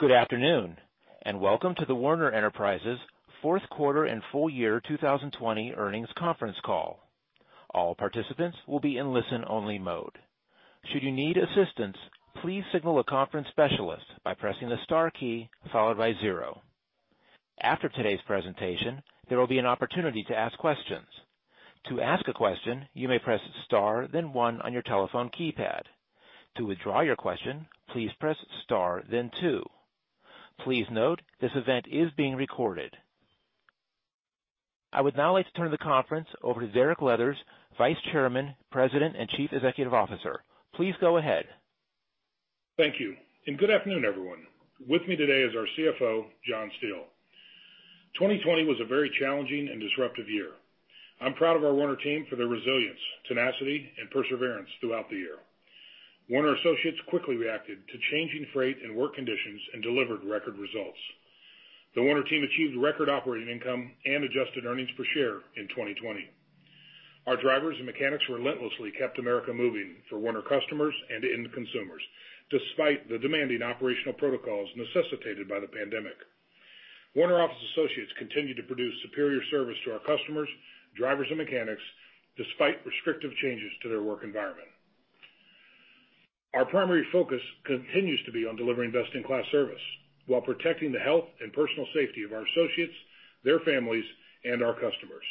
Good afternoon, and welcome to the Werner Enterprises Q4 and full year 2020 earnings conference call. I would now like to turn the conference over to Derek Leathers, Vice Chairman, President, and Chief Executive Officer. Please go ahead. Thank you, good afternoon, everyone. With me today is our CFO, John Steele. 2020 was a very challenging and disruptive year. I'm proud of our Werner team for their resilience, tenacity, and perseverance throughout the year. Werner associates quickly reacted to changing freight and work conditions and delivered record results. The Werner team achieved record operating income and adjusted earnings per share in 2020. Our drivers and mechanics relentlessly kept America moving for Werner customers and end consumers, despite the demanding operational protocols necessitated by the pandemic. Werner office associates continued to produce superior service to our customers, drivers, and mechanics, despite restrictive changes to their work environment. Our primary focus continues to be on delivering best-in-class service while protecting the health and personal safety of our associates, their families, and our customers.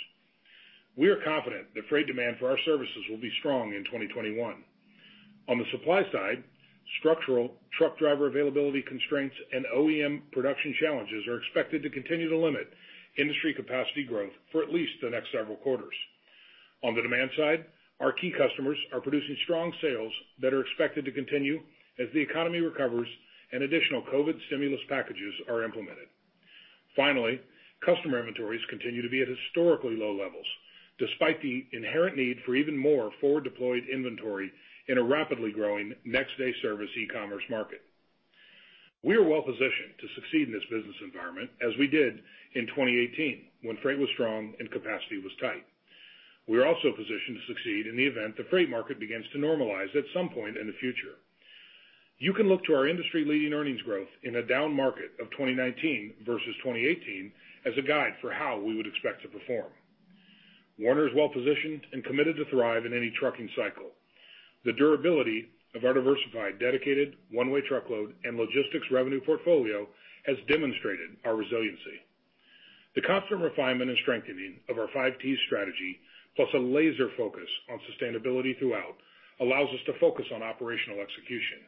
We are confident that freight demand for our services will be strong in 2021. On the supply side, structural truck driver availability constraints and OEM production challenges are expected to continue to limit industry capacity growth for at least the next several quarters. On the demand side, our key customers are producing strong sales that are expected to continue as the economy recovers and additional COVID stimulus packages are implemented. Finally, customer inventories continue to be at historically low levels, despite the inherent need for even more forward-deployed inventory in a rapidly growing next-day service e-commerce market. We are well-positioned to succeed in this business environment as we did in 2018 when freight was strong and capacity was tight. We are also positioned to succeed in the event the freight market begins to normalize at some point in the future. You can look to our industry-leading earnings growth in a down market of 2019 versus 2018 as a guide for how we would expect to perform. Werner is well-positioned and committed to thrive in any trucking cycle. The durability of our diversified, Dedicated, One-Way Truckload and logistics revenue portfolio has demonstrated our resiliency. The constant refinement and strengthening of our 5Ts strategy, plus a laser focus on sustainability throughout, allows us to focus on operational execution.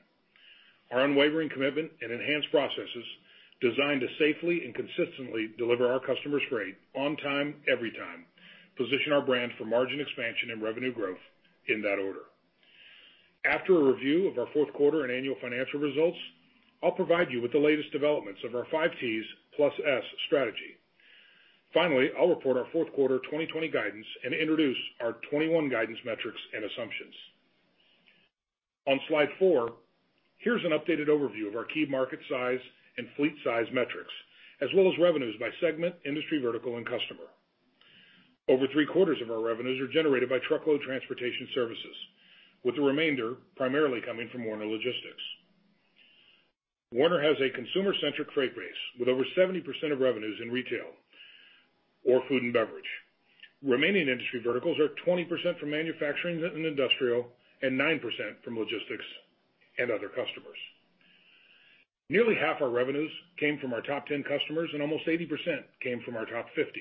Our unwavering commitment and enhanced processes designed to safely and consistently deliver our customers' freight on time, every time, position our brand for margin expansion and revenue growth in that order. After a review of our Q4 and annual financial results, I'll provide you with the latest developments of our 5Ts + S strategy. I'll report our Q4 2020 guidance and introduce our 2021 guidance metrics and assumptions. On slide four, here's an updated overview of our key market size and fleet size metrics, as well as revenues by segment, industry vertical, and customer. Over three-quarters of our revenues are generated by truckload transportation services, with the remainder primarily coming from Werner Logistics. Werner has a consumer-centric freight base with over 70% of revenues in retail or food and beverage. Remaining industry verticals are 20% from manufacturing and industrial and 9% from logistics and other customers. Nearly half our revenues came from our top 10 customers almost 80% came from our top 50.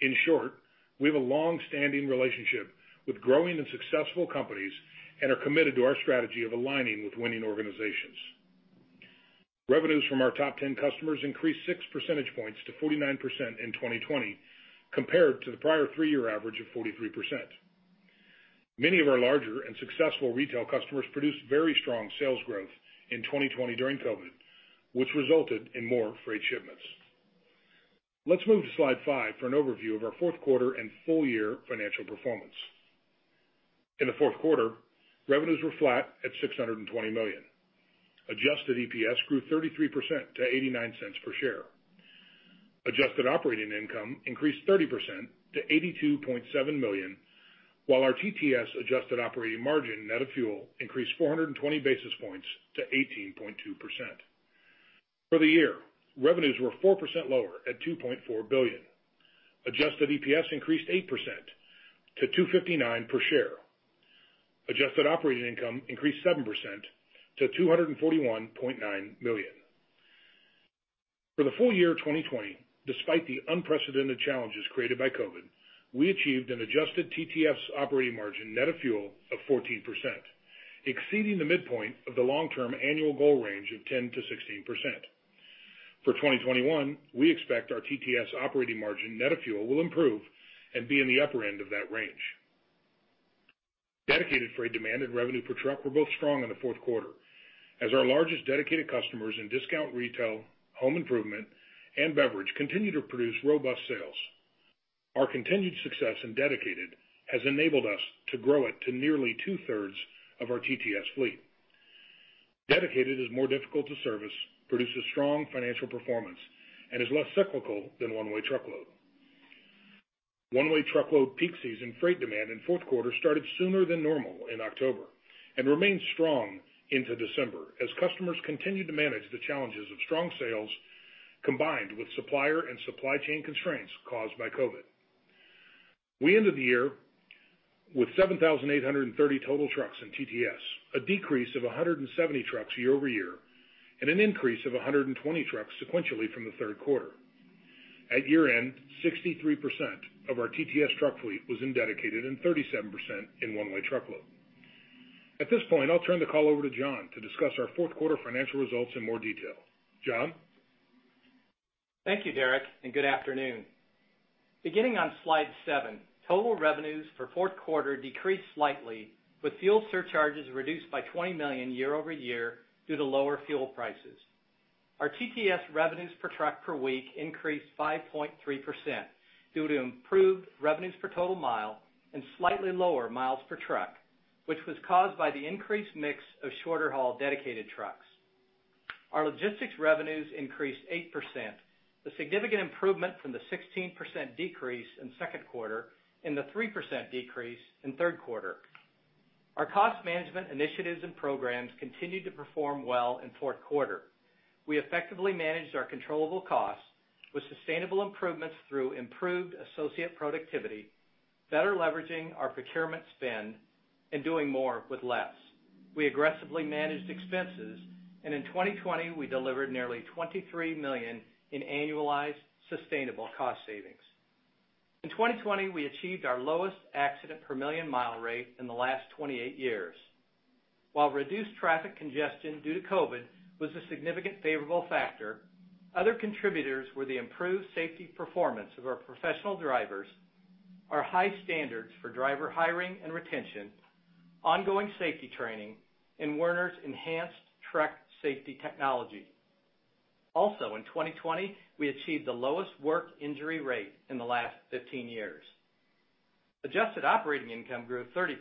In short, we have a long-standing relationship with growing and successful companies and are committed to our strategy of aligning with winning organizations. Revenues from our top 10 customers increased 6 percentage points to 49% in 2020 compared to the prior 3-year average of 43%. Many of our larger and successful retail customers produced very strong sales growth in 2020 during COVID, which resulted in more freight shipments. Let's move to slide five for an overview of our Q4 and full-year financial performance. In the Q4, revenues were flat at $620 million. Adjusted EPS grew 33% to $0.89 per share. Adjusted operating income increased 30% to $82.7 million, while our TTS adjusted operating margin net of fuel increased 420 basis points to 18.2%. For the year, revenues were 4% lower at $2.4 billion. Adjusted EPS increased 8% to $2.59 per share. Adjusted operating income increased 7% to $241.9 million. For the full year 2020, despite the unprecedented challenges created by COVID, we achieved an adjusted TTS operating margin net of fuel of 14%, exceeding the midpoint of the long-term annual goal range of 10%-16%. For 2021, we expect our TTS operating margin net of fuel will improve and be in the upper end of that range. Dedicated freight demand and revenue per truck were both strong in the Q4 as our largest Dedicated customers in discount retail, home improvement, and beverage continued to produce robust sales. Our continued success in Dedicated has enabled us to grow it to nearly 2/3 of our TTS fleet. Dedicated is more difficult to service, produces strong financial performance, and is less cyclical than truckload. One-Way Truckload peak season freight demand in Q4 started sooner than normal in October and remained strong into December as customers continued to manage the challenges of strong sales, combined with supplier and supply chain constraints caused by COVID. We ended the year with 7,830 total trucks in TTS, a decrease of 170 trucks year-over-year, and an increase of 120 trucks sequentially from the Q3. At year-end, 63% of our TTS truck fleet was in Dedicated and 37% in One-Way Truckload. at this point, I'll turn the call over to John to discuss our Q4 financial results in more detail. John? Thank you, Derek, and good afternoon. Beginning on slide seven, total revenues for Q4 decreased slightly with fuel surcharges reduced by $20 million year-over-year due to lower fuel prices. Our TTS revenues per truck per week increased 5.3% due to improved revenues per total mile and slightly lower miles per truck, which was caused by the increased mix of shorter-haul Dedicated trucks. Our logistics revenues increased 8%, a significant improvement from the 16% decrease in Q2 and the 3% decrease in Q3. Our cost management initiatives and programs continued to perform well in Q4. We effectively managed our controllable costs with sustainable improvements through improved associate productivity, better leveraging our procurement spend, and doing more with less. We aggressively managed expenses, and in 2020, we delivered nearly $23 million in annualized sustainable cost savings. In 2020, we achieved our lowest accident per million mile rate in the last 28 years. While reduced traffic congestion due to COVID was a significant favorable factor, other contributors were the improved safety performance of our professional drivers, our high standards for driver hiring and retention, ongoing safety training, and Werner's enhanced truck safety technology. Also, in 2020, we achieved the lowest work injury rate in the last 15 years. Adjusted operating income grew 30%,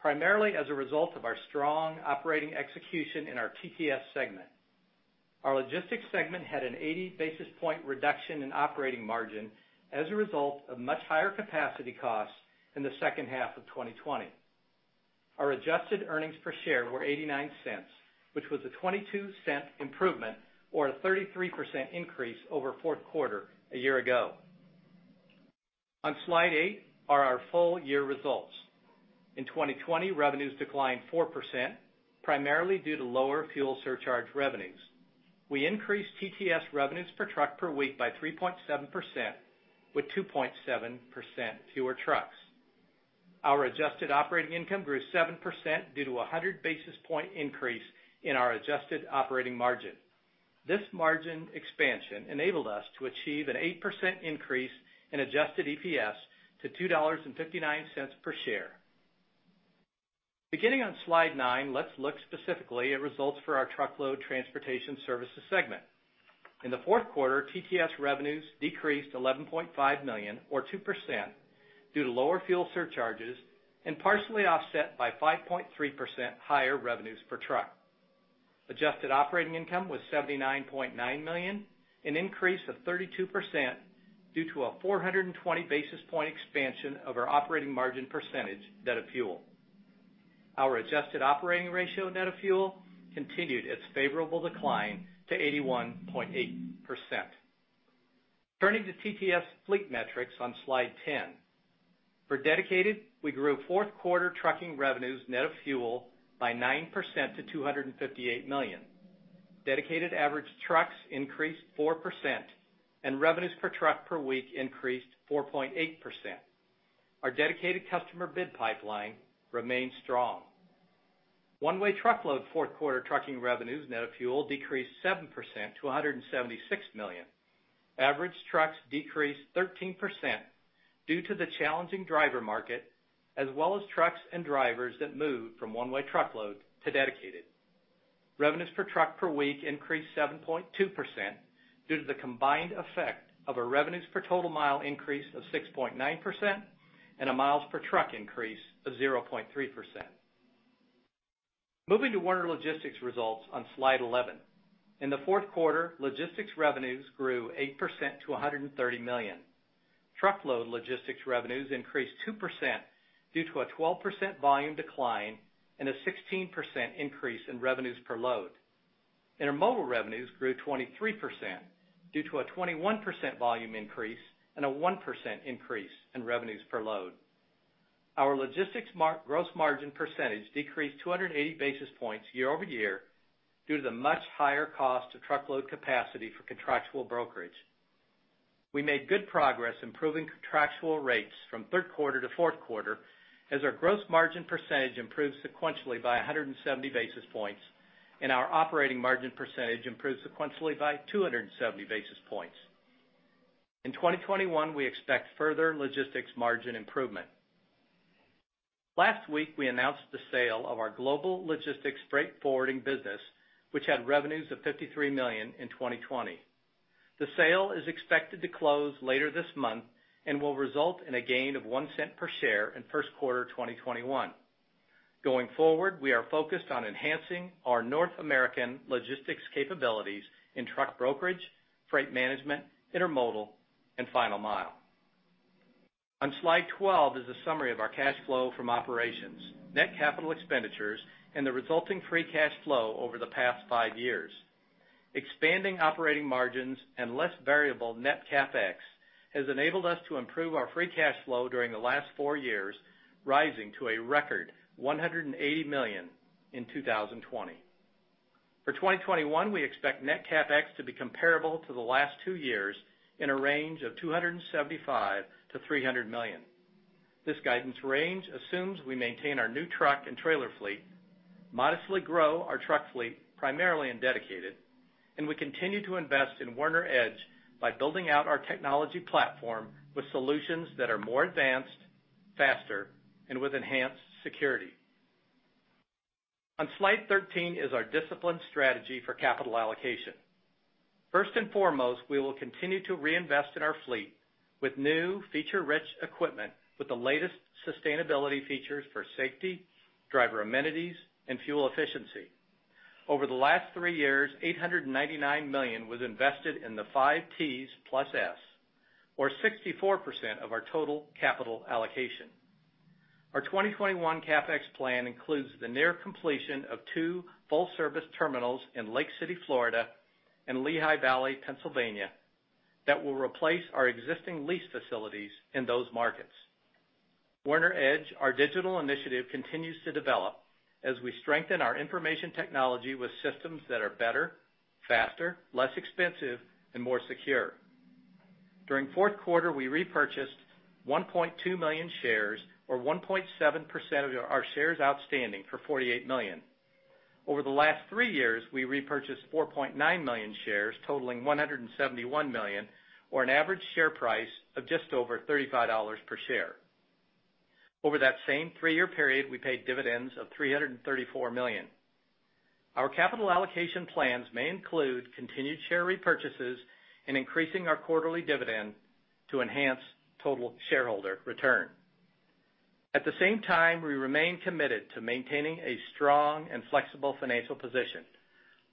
primarily as a result of our strong operating execution in our TTS segment. Our Logistics segment had an 80-basis-point reduction in operating margin as a result of much higher capacity costs in the second half of 2020. Our adjusted earnings per share were $0.89, which was a $0.22 improvement or a 33% increase over Q4 a year ago. On slide eight are our full year results. In 2020, revenues declined 4%, primarily due to lower fuel surcharge revenues. We increased TTS revenues per truck per week by 3.7% with 2.7% fewer trucks. Our adjusted operating income grew 7% due to a 100-basis-point increase in our adjusted operating margin. This margin expansion enabled us to achieve an 8% increase in adjusted EPS to $2.59 per share. Beginning on slide nine, let's look specifically at results for our Truckload Transportation Services segment. In the Q4, TTS revenues decreased $11.5 million or 2% due to lower fuel surcharges and partially offset by 5.3% higher revenues per truck. Adjusted operating income was $79.9 million, an increase of 32% due to a 420-basis-point expansion of our operating margin percentage net of fuel. Our adjusted operating ratio net of fuel continued its favorable decline to 81.8%. Turning to TTS fleet metrics on slide 10. For Dedicated, we grew Q4 trucking revenues net of fuel by 9% to $258 million. Dedicated average trucks increased 4%, and revenues per truck per week increased 4.8%. Our Dedicated customer bid pipeline remains strong. One-Way Truckload Q4 trucking revenues net of fuel decreased 7% to $176 million. Average trucks decreased 13% due to the challenging driver market, as well as trucks and drivers that moved from One-Way Truckload to Dedicated. Revenues per truck per week increased 7.2% due to the combined effect of a revenues per total mile increase of 6.9% and a miles per truck increase of 0.3%. Moving to Werner Logistics results on slide 11. In the Q4, logistics revenues grew 8% to $130 million. Truckload logistics revenues increased 2% due to a 12% volume decline and a 16% increase in revenues per load. Intermodal revenues grew 23% due to a 21% volume increase and a 1% increase in revenues per load. Our logistics gross margin percentage decreased 280 basis points year-over-year due to the much higher cost of truckload capacity for contractual brokerage. We made good progress improving contractual rates from Q3 to Q4 as our gross margin percentage improved sequentially by 170 basis points and our operating margin percentage improved sequentially by 270 basis points. In 2021, we expect further logistics margin improvement. Last week, we announced the sale of our global logistics freight forwarding business, which had revenues of $53 million in 2020. The sale is expected to close later this month and will result in a gain of $0.01 per share in Q1 2021. Going forward, we are focused on enhancing our North American logistics capabilities in truck brokerage, freight management, intermodal and final mile. On slide 12 is a summary of our cash flow from operations, net capital expenditures, and the resulting free cash flow over the past five years. Expanding operating margins and less variable net CapEx has enabled us to improve our free cash flow during the last four years, rising to a record $180 million in 2020. For 2021, we expect net CapEx to be comparable to the last two years in a range of $275 million-$300 million. This guidance range assumes we maintain our new truck and trailer fleet, modestly grow our truck fleet, primarily in Dedicated, and we continue to invest in Werner EDGE by building out our technology platform with solutions that are more advanced, faster, and with enhanced security. On slide 13 is our disciplined strategy for capital allocation. First and foremost, we will continue to reinvest in our fleet with new feature-rich equipment with the latest sustainability features for safety, driver amenities, and fuel efficiency. Over the last three years, $899 million was invested in the 5Ts + S or 64% of our total capital allocation. Our 2021 CapEx plan includes the near completion of two full-service terminals in Lake City, Florida and Lehigh Valley, Pennsylvania that will replace our existing lease facilities in those markets. Werner EDGE, our digital initiative, continues to develop as we strengthen our information technology with systems that are better, faster, less expensive and more secure. During Q4, we repurchased 1.2 million shares or 1.7% of our shares outstanding for $48 million. Over the last three years, we repurchased 4.9 million shares totaling $171 million or an average share price of just over $35 per share. Over that same three-year period, we paid dividends of $334 million. Our capital allocation plans may include continued share repurchases and increasing our quarterly dividend to enhance total shareholder return. At the same time, we remain committed to maintaining a strong and flexible financial position.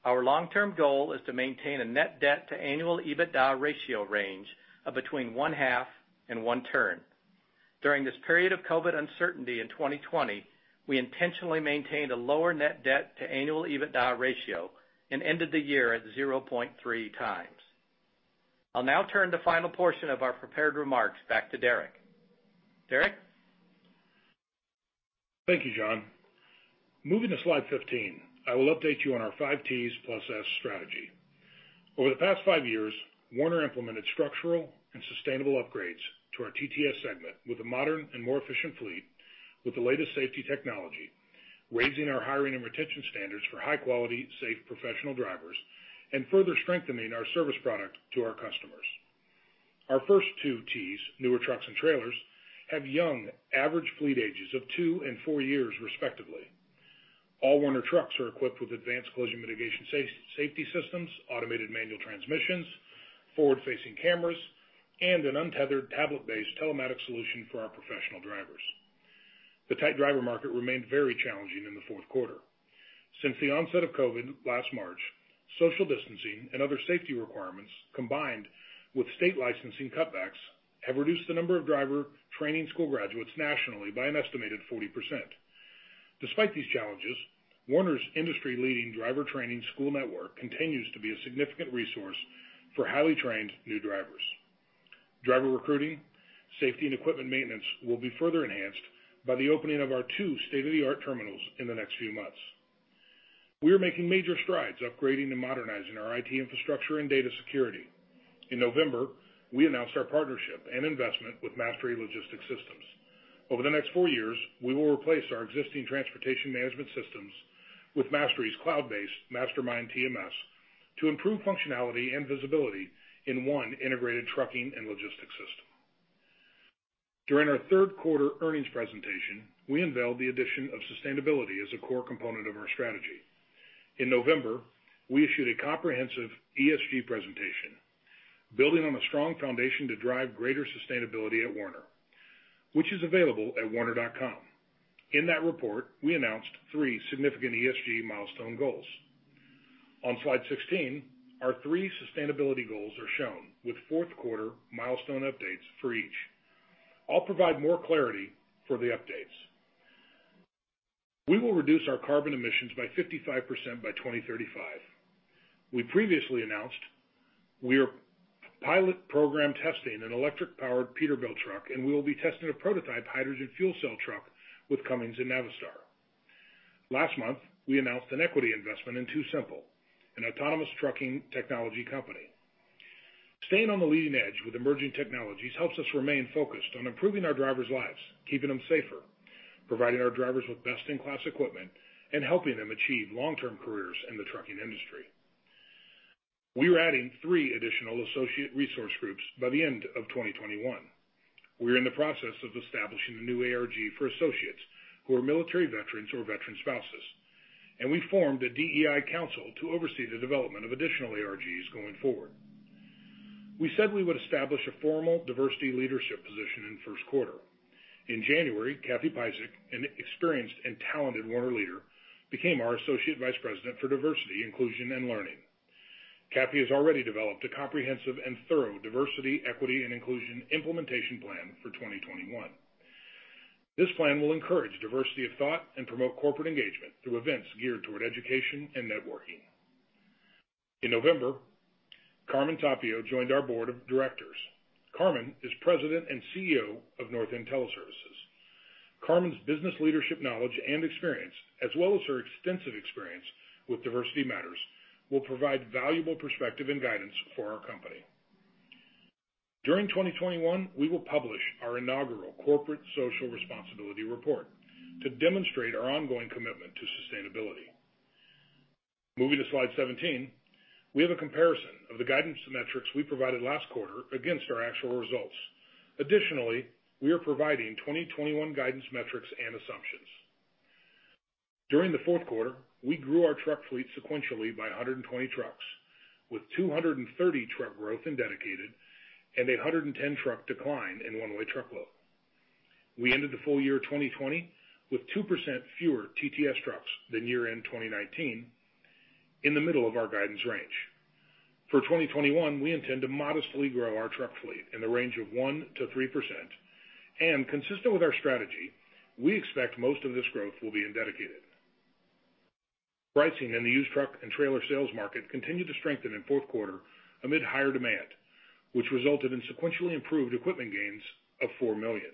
Our long-term goal is to maintain a net debt to annual EBITDA ratio range of between 1.5 and 1.3. During this period of COVID uncertainty in 2020, we intentionally maintained a lower net debt to annual EBITDA ratio and ended the year at 0.3x. I'll now turn the final portion of our prepared remarks back to Derek. Derek? Thank you, John. Moving to slide 15, I will update you on our 5Ts + S strategy. Over the past five years, Werner implemented structural and sustainable upgrades to our TTS segment with a modern and more efficient fleet with the latest safety technology, raising our hiring and retention standards for high-quality, safe, professional drivers, and further strengthening our service product to our customers. Our first two Ts, newer Trucks and Trailers, have young average fleet ages of two and four years respectively. All Werner trucks are equipped with advanced collision mitigation safety systems, Automated Manual Transmissions, forward-facing cameras, and an untethered tablet-based telematic solution for our professional drivers. The tight driver market remained very challenging in the Q4. Since the onset of COVID last March, social distancing and other safety requirements, combined with state licensing cutbacks, have reduced the number of driver training school graduates nationally by an estimated 40%. Despite these challenges, Werner's industry-leading driver training school network continues to be a significant resource for highly trained new drivers. Driver recruiting, safety and equipment maintenance will be further enhanced by the opening of our two state-of-the-art terminals in the next few months. We are making major strides upgrading and modernizing our IT infrastructure and data security. In November, we announced our partnership and investment with Mastery Logistics Systems. Over the next four years, we will replace our existing transportation management systems with Mastery's cloud-based MasterMind TMS to improve functionality and visibility in one integrated trucking and logistics system. During our Q3 earnings presentation, we unveiled the addition of sustainability as a core component of our strategy. In November, we issued a comprehensive ESG presentation, building on a strong foundation to drive greater sustainability at Werner, which is available at werner.com. In that report, we announced three significant ESG milestone goals. On Slide 16, our three sustainability goals are shown with Q4 milestone updates for each. I'll provide more clarity for the updates. We will reduce our carbon emissions by 55% by 2035. We previously announced we are pilot program testing an electric-powered Peterbilt truck, and we will be testing a prototype hydrogen fuel cell truck with Cummins and Navistar. Last month, we announced an equity investment in TuSimple, an autonomous trucking technology company. Staying on the leading edge with emerging technologies helps us remain focused on improving our drivers' lives, keeping them safer, providing our drivers with best-in-class equipment, and helping them achieve long-term careers in the trucking industry. We are adding three additional associate resource groups by the end of 2021. We are in the process of establishing a new ARG for associates who are military veterans or veteran spouses, and we formed a DEI council to oversee the development of additional ARGs going forward. We said we would establish a formal diversity leadership position in the Q1. In January, Kathy Peissig, an experienced and talented Werner leader, became our Associate Vice President for Diversity, Inclusion, and Learning. Kathy has already developed a comprehensive and thorough diversity, equity, and inclusion implementation plan for 2021. This plan will encourage diversity of thought and promote corporate engagement through events geared toward education and networking. In November, Carmen Tapio joined our Board of Directors. Carmen is President and CEO of North End Teleservices. Carmen's business leadership knowledge and experience, as well as her extensive experience with diversity matters, will provide valuable perspective and guidance for our company. During 2021, we will publish our inaugural corporate social responsibility report to demonstrate our ongoing commitment to sustainability. Moving to slide 17, we have a comparison of the guidance metrics we provided last quarter against our actual results. Additionally, we are providing 2021 guidance metrics and assumptions. During the Q4, we grew our truck fleet sequentially by 120 trucks, with 230 truck growth in Dedicated and a 110 truck decline in One-Way Truckload. We ended the full year 2020 with 2% fewer TTS trucks than year-end 2019, in the middle of our guidance range. For 2021, we intend to modestly grow our truck fleet in the range of 1%-3%, and consistent with our strategy, we expect most of this growth will be in Dedicated. Pricing in the used truck and trailer sales market continued to strengthen in the Q4 amid higher demand, which resulted in sequentially improved equipment gains of $4 million,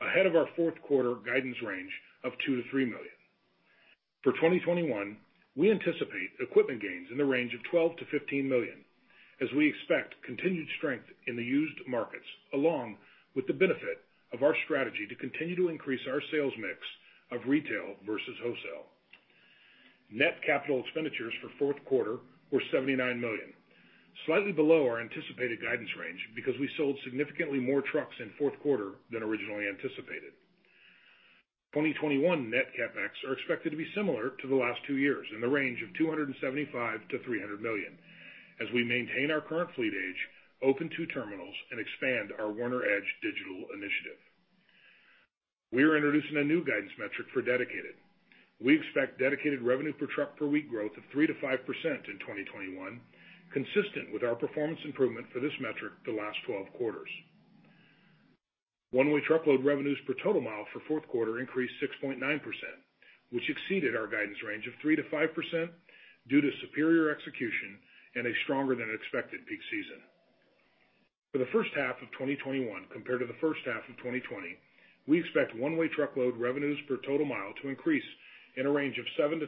ahead of our Q4 guidance range of $2 million-$3 million. For 2021, we anticipate equipment gains in the range of $12 million-$15 million, as we expect continued strength in the used markets, along with the benefit of our strategy to continue to increase our sales mix of retail versus wholesale. Net capital expenditures for the Q4 were $79 million, slightly below our anticipated guidance range because we sold significantly more trucks in the Q4 than originally anticipated. 2021 net CapEx are expected to be similar to the last two years in the range of $275 million-$300 million as we maintain our current fleet age, open two terminals, and expand our Werner EDGE digital initiative. We are introducing a new guidance metric for Dedicated. We expect Dedicated revenue per truck per week growth of 3%-5% in 2021, consistent with our performance improvement for this metric the last 12 quarters. One-Way Truckload revenues per total mile for the Q4 increased 6.9%, which exceeded our guidance range of 3%-5% due to superior execution and a stronger than expected peak season. For the first half of 2021 compared to the first half of 2020, we expect Werner One-Way Truckload revenues per total mile to increase in a range of 7%-10%,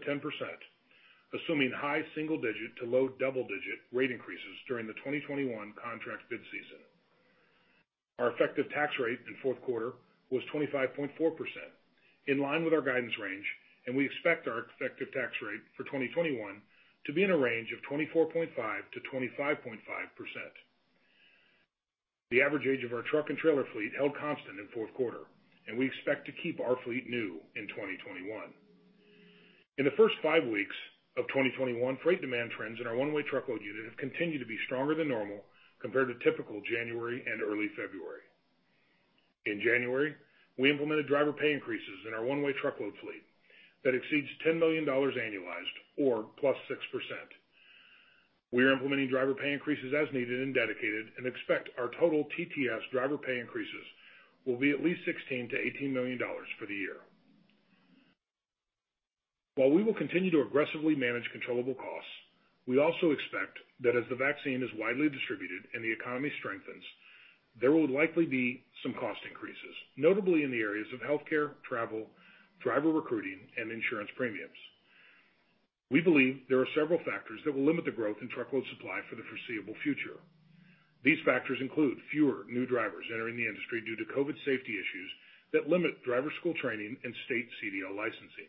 assuming high single digit to low double-digit rate increases during the 2021 contract bid season. Our effective tax rate in Q4 was 25.4%, in line with our guidance range. We expect our effective tax rate for 2021 to be in a range of 24.5%-25.5%. The average age of our truck and trailer fleet held constant in Q4. We expect to keep our fleet new in 2021. In the first five weeks of 2021, freight demand trends in our Werner One-Way Truckload unit have continued to be stronger than normal compared to typical January and early February. In January, we implemented driver pay increases in our One-Way Truckload fleet that exceeds $10 million annualized or +6%. We are implementing driver pay increases as needed in Dedicated and expect our total TTS driver pay increases will be at least $16 million-$18 million for the year. While we will continue to aggressively manage controllable costs, we also expect that as the vaccine is widely distributed and the economy strengthens, there will likely be some cost increases, notably in the areas of healthcare, travel, driver recruiting, and insurance premiums. We believe there are several factors that will limit the growth in truckload supply for the foreseeable future. These factors include fewer new drivers entering the industry due to COVID safety issues that limit driver school training and state CDL licensing.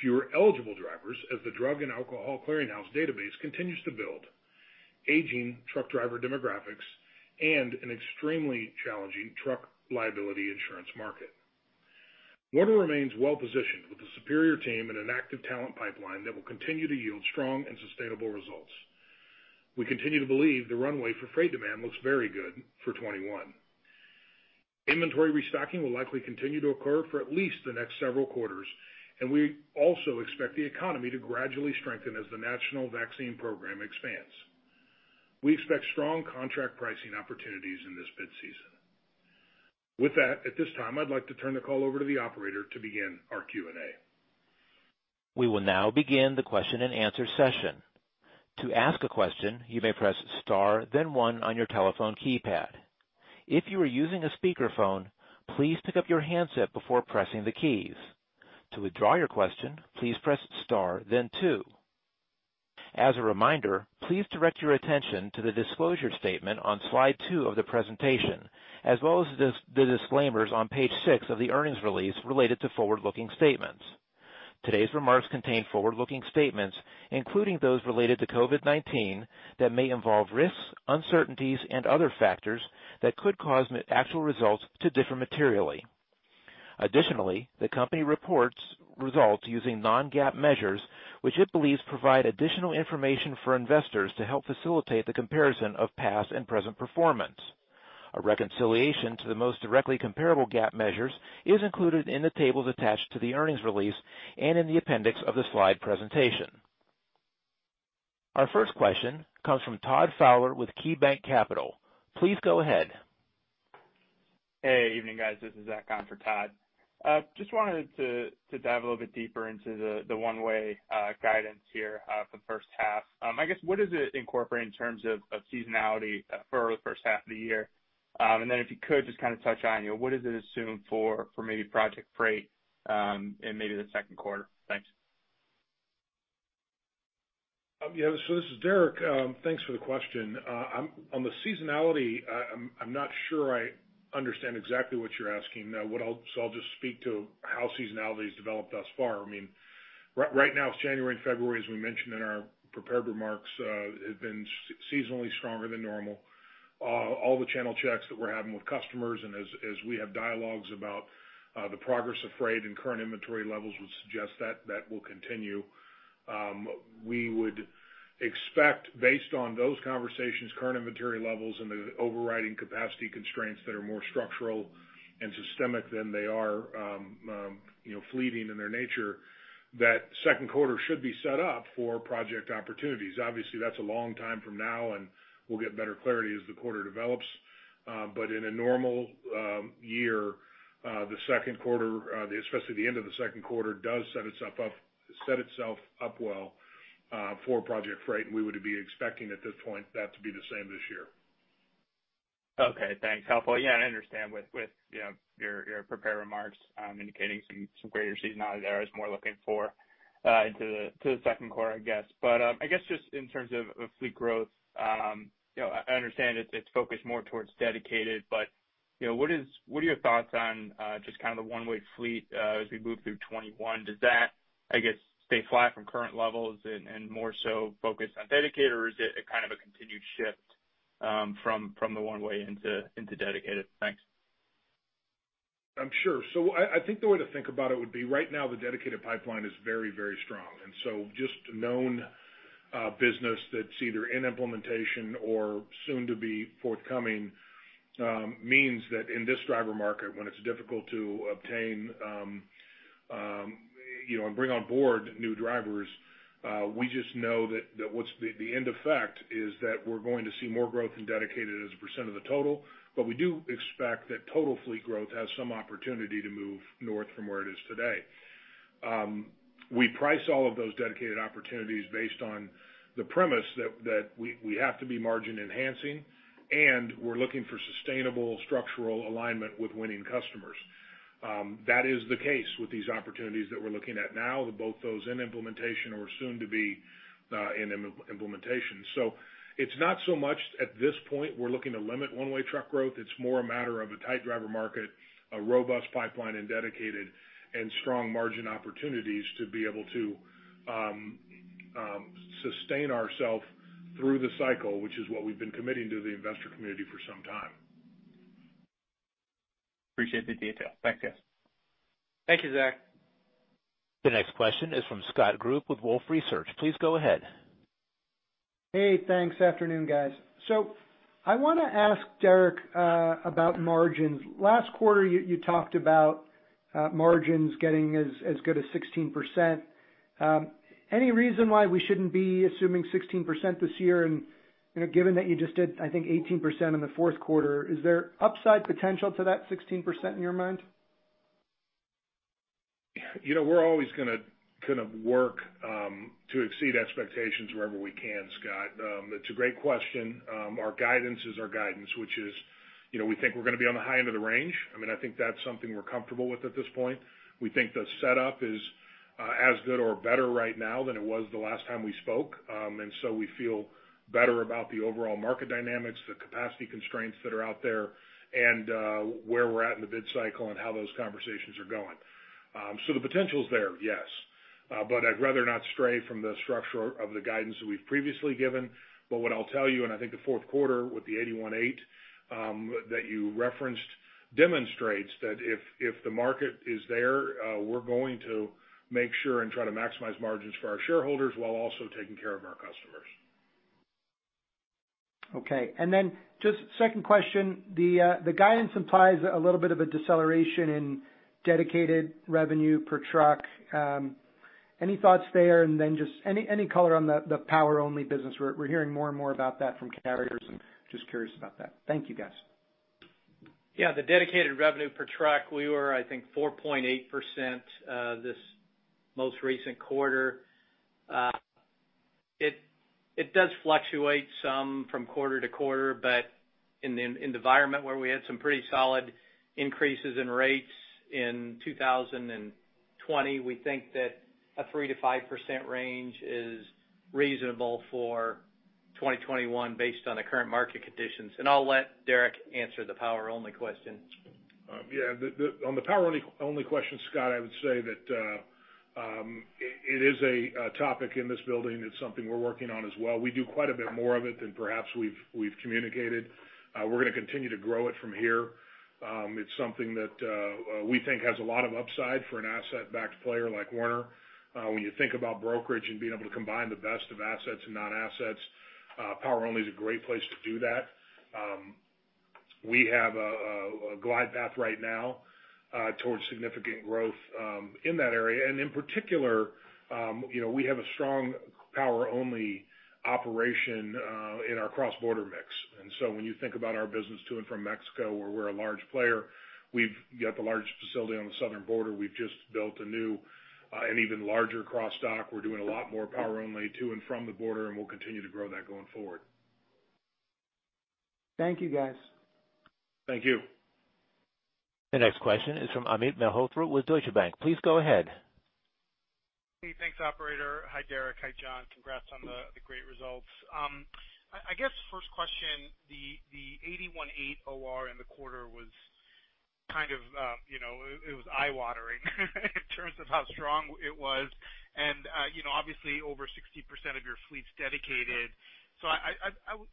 Fewer eligible drivers as the Drug and Alcohol Clearinghouse database continues to build, aging truck driver demographics, and an extremely challenging truck liability insurance market. Werner remains well-positioned with a superior team and an active talent pipeline that will continue to yield strong and sustainable results. We continue to believe the runway for freight demand looks very good for 2021. Inventory restocking will likely continue to occur for at least the next several quarters and we also expect the economy to gradually strengthen as the national vaccine program expands. We expect strong contract pricing opportunities in this bid season. With that, at this time, I'd like to turn the call over to the operator to begin our Q&A. As a reminder, please direct your attention to the disclosure statement on slide two of the presentation, as well as the disclaimers on page six of the earnings release related to forward-looking statements. Today's remarks contain forward-looking statements, including those related to COVID-19, that may involve risks, uncertainties, and other factors that could cause actual results to differ materially. Additionally, the company reports results using non-GAAP measures, which it believes provide additional information for investors to help facilitate the comparison of past and present performance. A reconciliation to the most directly comparable GAAP measures is included in the tables attached to the earnings release and in the appendix of the slide presentation. Our first question comes from Todd Fowler with KeyBanc Capital. Please go ahead. Hey, evening guys. This is Zach on for Todd. Just wanted to dive a little bit deeper into the One-Way guidance here for the first half. I guess, what does it incorporate in terms of seasonality for the first half of the year? If you could, just touch on what is it assumed for maybe project freight in maybe the Q2? Thanks. Yeah. This is Derek. Thanks for the question. On the seasonality, I'm not sure I understand exactly what you're asking i'll just speak to how seasonality's developed thus far i mean, right now it's January and February, as we mentioned in our prepared remarks, have been seasonally stronger than normal. All the channel checks that we're having with customers and as we have dialogues about the progress of freight and current inventory levels would suggest that will continue. We would expect based on those conversations, current inventory levels, and the overriding capacity constraints that are more structural and systemic than they are fleeting in their nature, that Q2 should be set up for project opportunities obviously, that's a long time from now, and we'll get better clarity as the quarter develops. In a normal year, the Q2, especially the end of the Q2, does set itself up well for project freight, and we would be expecting at this point that to be the same this year. Okay, thanks helpful. I understand with your prepared remarks indicating some greater seasonality there i was more looking for into the Q2, I guess but i guess just in terms of fleet growth, I understand it's focused more towards Dedicated, but what are your thoughts on just the Werner One-Way fleet as we move through 2021? Does that, I guess, stay flat from current levels and more so focused on Dedicated?or is it a continued shift from the Werner One-Way into Dedicated? Thanks. Sure. I think the way to think about it would be right now the Dedicated pipeline is very strong so just known business that's either in implementation or soon to be forthcoming, means that in this driver market, when it's difficult to obtain, and bring on board new drivers, we just know that what's the end effect is that we're going to see more growth in Dedicated as a percent of the total. We do expect that total fleet growth has some opportunity to move north from where it is today. We price all of those Dedicated opportunities based on the premise that we have to be margin enhancing, and we're looking for sustainable structural alignment with winning customers. That is the case with these opportunities that we're looking at now, both those in implementation or soon to be in implementation. It's not so much at this point we're looking to limit One-Way Truckload, it's more a matter of a tight driver market, a robust pipeline in Dedicated, and strong margin opportunities to be able to sustain ourself through the cycle, which is what we've been committing to the investor community for some time. Appreciate the detail. Thanks, guys. Thank you, Zach. The next question is from Scott Group with Wolfe Research. Please go ahead. Hey, thanks. Afternoon, guys. I want to ask Derek about margins. Last quarter you talked about margins getting as good as 16%. Any reason why we shouldn't be assuming 16% this year? Given that you just did, I think, 18% in the Q4, is there upside potential to that 16% in your mind? We're always going to work to exceed expectations wherever we can, Scott it's a great question. Our guidance is our guidance, which is we think we're going to be on the high end of the range. I think that's something we're comfortable with at this point. We think the setup is as good or better right now than it was the last time we spoke. We feel better about the overall market dynamics, the capacity constraints that are out there, and where we're at in the mid-cycle and how those conversations are going. The potential's there, yes. I'd rather not stray from the structure of the guidance that we've previously given. What I'll tell you, and I think the Q4 with the 81.8% that you referenced, demonstrates that if the market is there, we're going to make sure and try to maximize margins for our shareholders while also taking care of our customers. Okay. Just second question. The guidance implies a little bit of a deceleration in Dedicated revenue per truck. Any thoughts there? Just any color on the power-only business we're hearing more and more about that from carriers, and just curious about that. Thank you, guys. Yeah, the Dedicated revenue per truck, we were, I think, 4.8% this most recent quarter. It does fluctuate some from quarter-to-quarter, but in the environment where we had some pretty solid increases in rates in 2020, we think that a 3%-5% range is reasonable for 2021 based on the current market conditions and i'll let Derek answer the power-only question. Yeah on the power-only question, Scott, I would say that it is a topic in this building it's something we're working on as well we do quite a bit more of it than perhaps we've communicated. We're going to continue to grow it from here. It's something that we think has a lot of upside for an asset-backed player like Werner. When you think about brokerage and being able to combine the best of assets and non-assets, power-only is a great place to do that. We have a glide path right now towards significant growth in that area and in particular, we have a strong power-only operation in our cross-border mix. So when you think about our business to and from Mexico, where we're a large player, we've got the largest facility on the southern border we've just built a new and even larger cross-dock. We're doing a lot more power-only to and from the border, and we'll continue to grow that going forward. Thank you guys. Thank you. The next question is from Amit Mehrotra with Deutsche Bank. Please go ahead. Hey, thanks operator. Hi, Derek. Hi, John congrats on the great results. I guess first question, the 81.8% OR in the quarter was eye watering in terms of how strong it was. Obviously over 60% of your fleet's Dedicated. 7%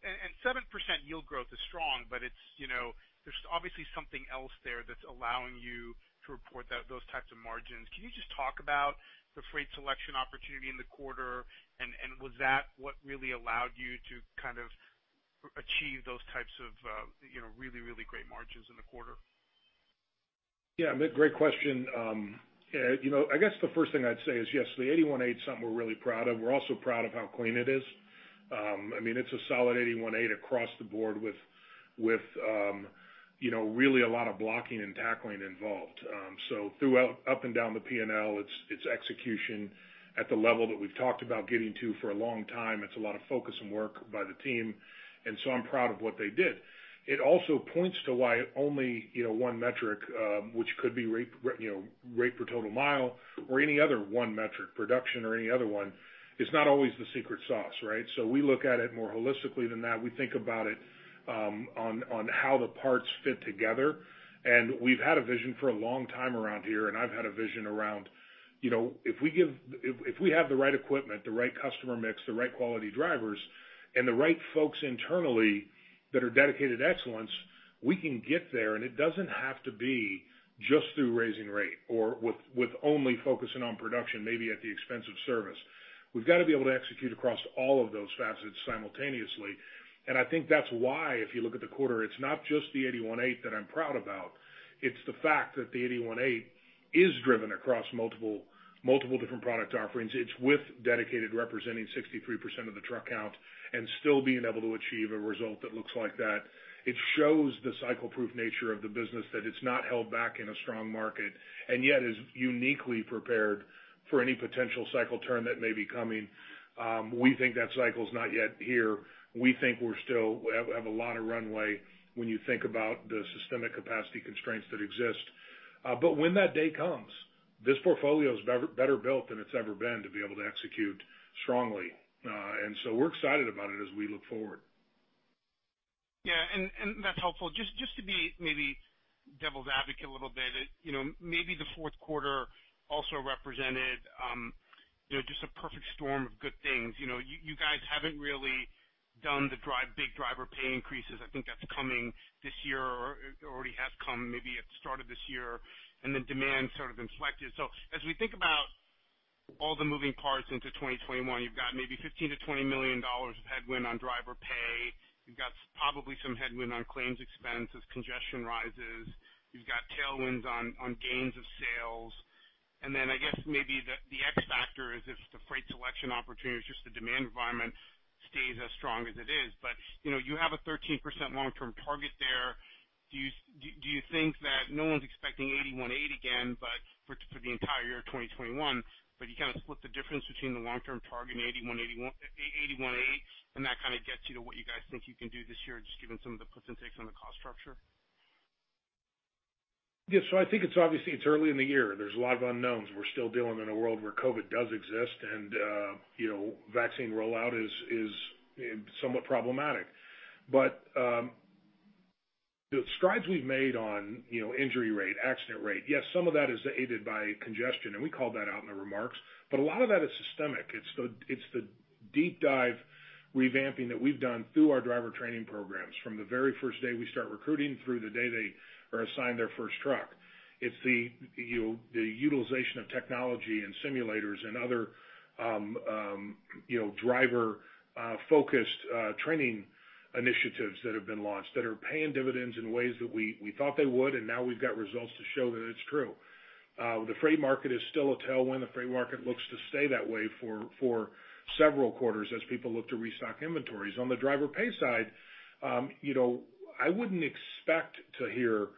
yield growth is strong, but there's obviously something else there that's allowing you to report those types of margins can you just talk about the freight selection opportunity in the quarter? Was that what really allowed you to achieve those types of really great margins in the quarter? Amit, great question. I guess the first thing I'd say is yes, the 81.8% is something we're really proud of we're also proud of how clean it is. It's a solid 81.8% across the board with really a lot of blocking and tackling involved. Throughout, up and down the P&L, it's execution at the level that we've talked about getting to for a long time it's a lot of focus and work by the team. I'm proud of what they did. It also points to why only one metric, which could be rate per total mile or any other one metric, production or any other one, is not always the secret sauce, right? We look at it more holistically than that we think about it on how the parts fit together, and we've had a vision for a long time around here, and I've had a vision around if we have the right equipment, the right customer mix, the right quality drivers, and the right folks internally that are dedicated to excellence, we can get there and it doesn't have to be just through raising rate or with only focusing on production, maybe at the expense of service. We've got to be able to execute across all of those facets simultaneously. I think that's why, if you look at the quarter, it's not just the 81.8% that I'm proud about. It's the fact that the 81.8% is driven across multiple different product offerings it's with Dedicated representing 63% of the truck count and still being able to achieve a result that looks like that. It shows the cycle proof nature of the business, that it's not held back in a strong market and yet is uniquely prepared for any potential cycle turn that may be coming. We think that cycle is not yet here. We think we still have a lot of runway when you think about the systemic capacity constraints that exist. When that day comes, this portfolio is better built than it's ever been to be able to execute strongly, and so we're excited about it as we look forward. Yeah. That's helpful just to be maybe devil's advocate a little bit, maybe the Q4 also represented just a perfect storm of good things you know, you guys haven't really done the big driver pay increases that's coming this year or it already has come maybe at the start of this year, the demand sort of inflected. As we think about all the moving parts into 2021, you've got maybe $15 million-$20 million of headwind on driver pay. You've got probably some headwind on claims expense as congestion rises. You've got tailwinds on gains of sales. Then I guess maybe the X factor is if the freight selection opportunity or just the demand environment stays as strong as it is but, if you have a 13% long-term target there. Do you think that no one's expecting 81.8% again for the entire year 2021, but you kind of split the difference between the long-term target and the 81.8%, and that kind of gets you to what you guys think you can do this year, just given some of the puts and takes on the cost structure? Yeah. I think it's obviously it's early in the year. There's a lot of unknowns. We're still dealing in a world where COVID does exist, and vaccine rollout is somewhat problematic. The strides we've made on injury rate, accident rate, yes, some of that is aided by congestion, and we called that out in the remarks, but a lot of that is systemic. It's the deep dive revamping that we've done through our driver training programs from the very first day we start recruiting through the day they are assigned their first truck. It's the utilization of technology and simulators and other driver-focused training initiatives that have been launched that are paying dividends in ways that we thought they would, and now we've got results to show that it's true. The freight market is still a tailwind the freight market looks to stay that way for several quarters as people look to restock inventories on the driver pay side, I wouldn't expect to hear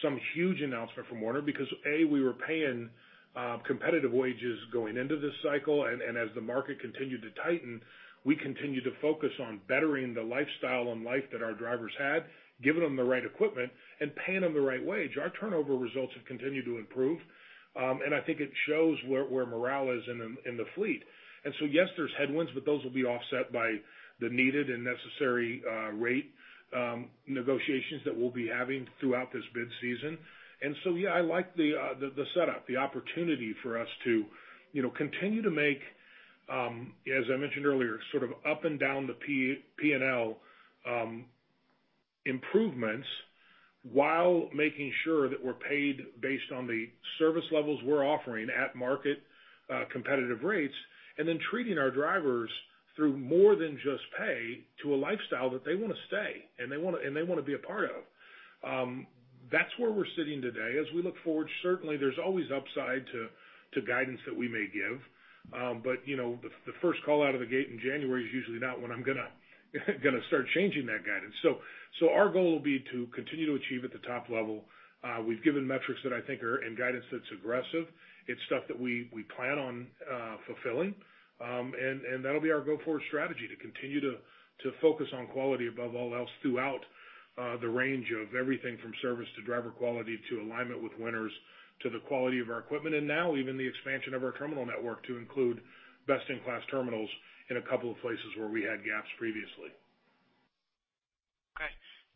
some huge announcement from Werner because, A, we were paying competitive wages going into this cycle, and as the market continued to tighten, we continued to focus on bettering the lifestyle and life that our drivers had, giving them the right equipment, and paying them the right wage our turnover results have continued to improve. I think it shows where morale is in the fleet. Yes, there's headwinds, but those will be offset by the needed and necessary rate negotiations that we'll be having throughout this bid season. Yeah, I like the setup, the opportunity for us to continue to make, as I mentioned earlier, sort of up and down the P&L improvements while making sure that we're paid based on the service levels we're offering at market competitive rates, and then treating our drivers through more than just pay to a lifestyle that they want to stay and they want to be a part of. That's where we're sitting today as we look forward, certainly, there's always upside to guidance that we may give. The first call out of the gate in January is usually not when I'm going to start changing that guidance. Our goal will be to continue to achieve at the top level. We've given metrics that I think are in guidance that's aggressive. It's stuff that we plan on fulfilling. That'll be our go-forward strategy, to continue to focus on quality above all else throughout the range of everything from service to driver quality to alignment with Werner to the quality of our equipment, and now even the expansion of our terminal network to include best-in-class terminals in a couple of places where we had gaps previously.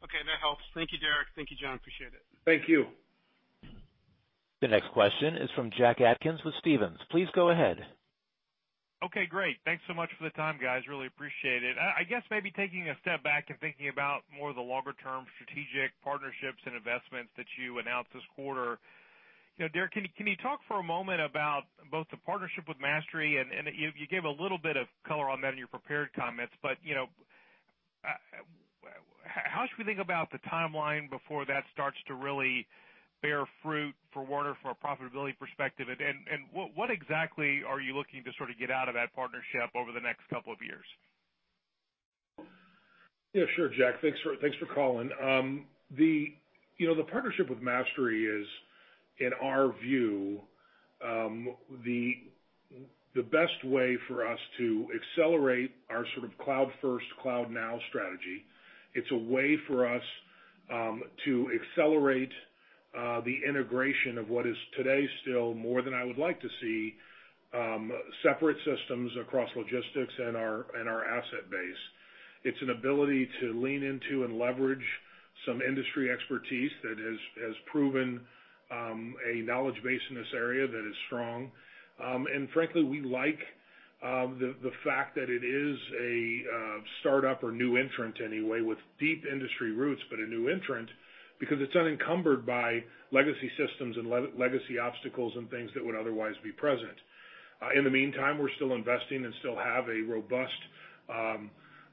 Okay. That helps. Thank you, Derek. Thank you, John. Appreciate it. Thank you. The next question is from Jack Atkins with Stephens. Please go ahead. Okay, great. Thanks so much for the time, guys really appreciate it. I guess maybe taking a step back and thinking about more of the longer-term strategic partnerships and investments that you announced this quarter. Derek, can you talk for a moment about both the partnership with Mastery and you gave a little bit of color on that in your prepared comments, but how should we think about the timeline before that starts to really bear fruit for Werner from a profitability perspective, and what exactly are you looking to sort of get out of that partnership over the next couple of years? Yeah, sure, Jack. Thanks for calling. The partnership with Mastery is, in our view, the best way for us to accelerate our sort of Cloud First, Cloud Now strategy. It's a way for us to accelerate the integration of what is today still more than I would like to see separate systems across logistics and our asset base. It's an ability to lean into and leverage some industry expertise that has proven a knowledge base in this area that is strong. Frankly, we like the fact that it is a startup or new entrant anyway, with deep industry roots, but a new entrant because it's unencumbered by legacy systems and legacy obstacles and things that would otherwise be present. In the meantime, we're still investing and still have a robust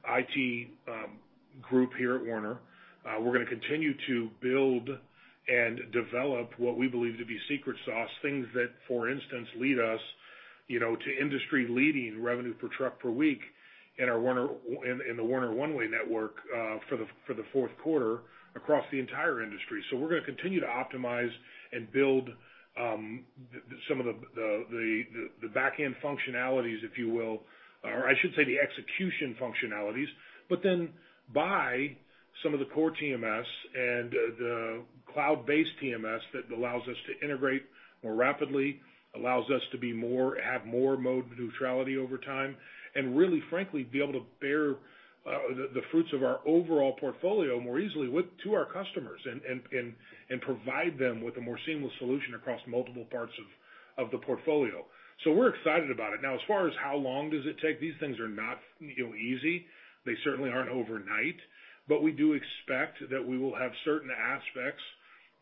IT group here at Werner. We're going to continue to build and develop what we believe to be secret sauce, things that, for instance, lead us to industry-leading revenue per truck per week in the Werner One-Way network for the Q4 across the entire industry so we're going to continue to optimize and build some of the back-end functionalities, if you will, or I should say, the execution functionalities, but then buy some of the core TMS and the cloud-based TMS that allows us to integrate more rapidly, allows us to have more mode neutrality over time. And really, frankly, be able to bear the fruits of our overall portfolio more easily to our customers, and provide them with a more seamless solution across multiple parts of the portfolio. We're excited about it as far as how long does it take, these things are not easy. They certainly aren't overnight. But we do expect that we will have certain aspects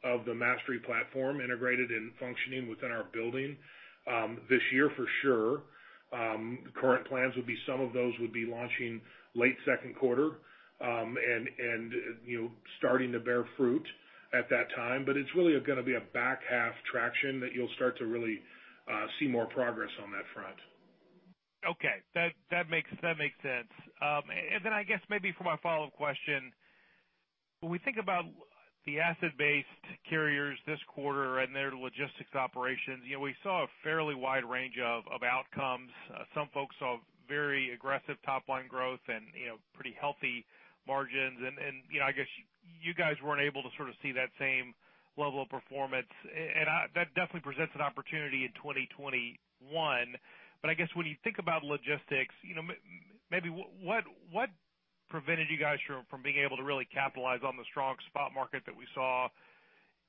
of the Mastery platform integrated and functioning within our building this year for sure. Current plans would be some of those would be launching late Q2, starting to bear fruit at that time but it's really going to be a back half traction that you'll start to really see more progress on that front. Okay. That makes sense. I guess maybe for my follow-up question, when we think about the asset-based carriers this quarter and their logistics operations, we saw a fairly wide range of outcomes. Some folks saw very aggressive top-line growth and pretty healthy margins and i guess you guys weren't able to sort of see that same level of performance. That definitely presents an opportunity in 2021. I guess when you think about logistics, maybe what prevented you guys from being able to really capitalize on the strong spot market that we saw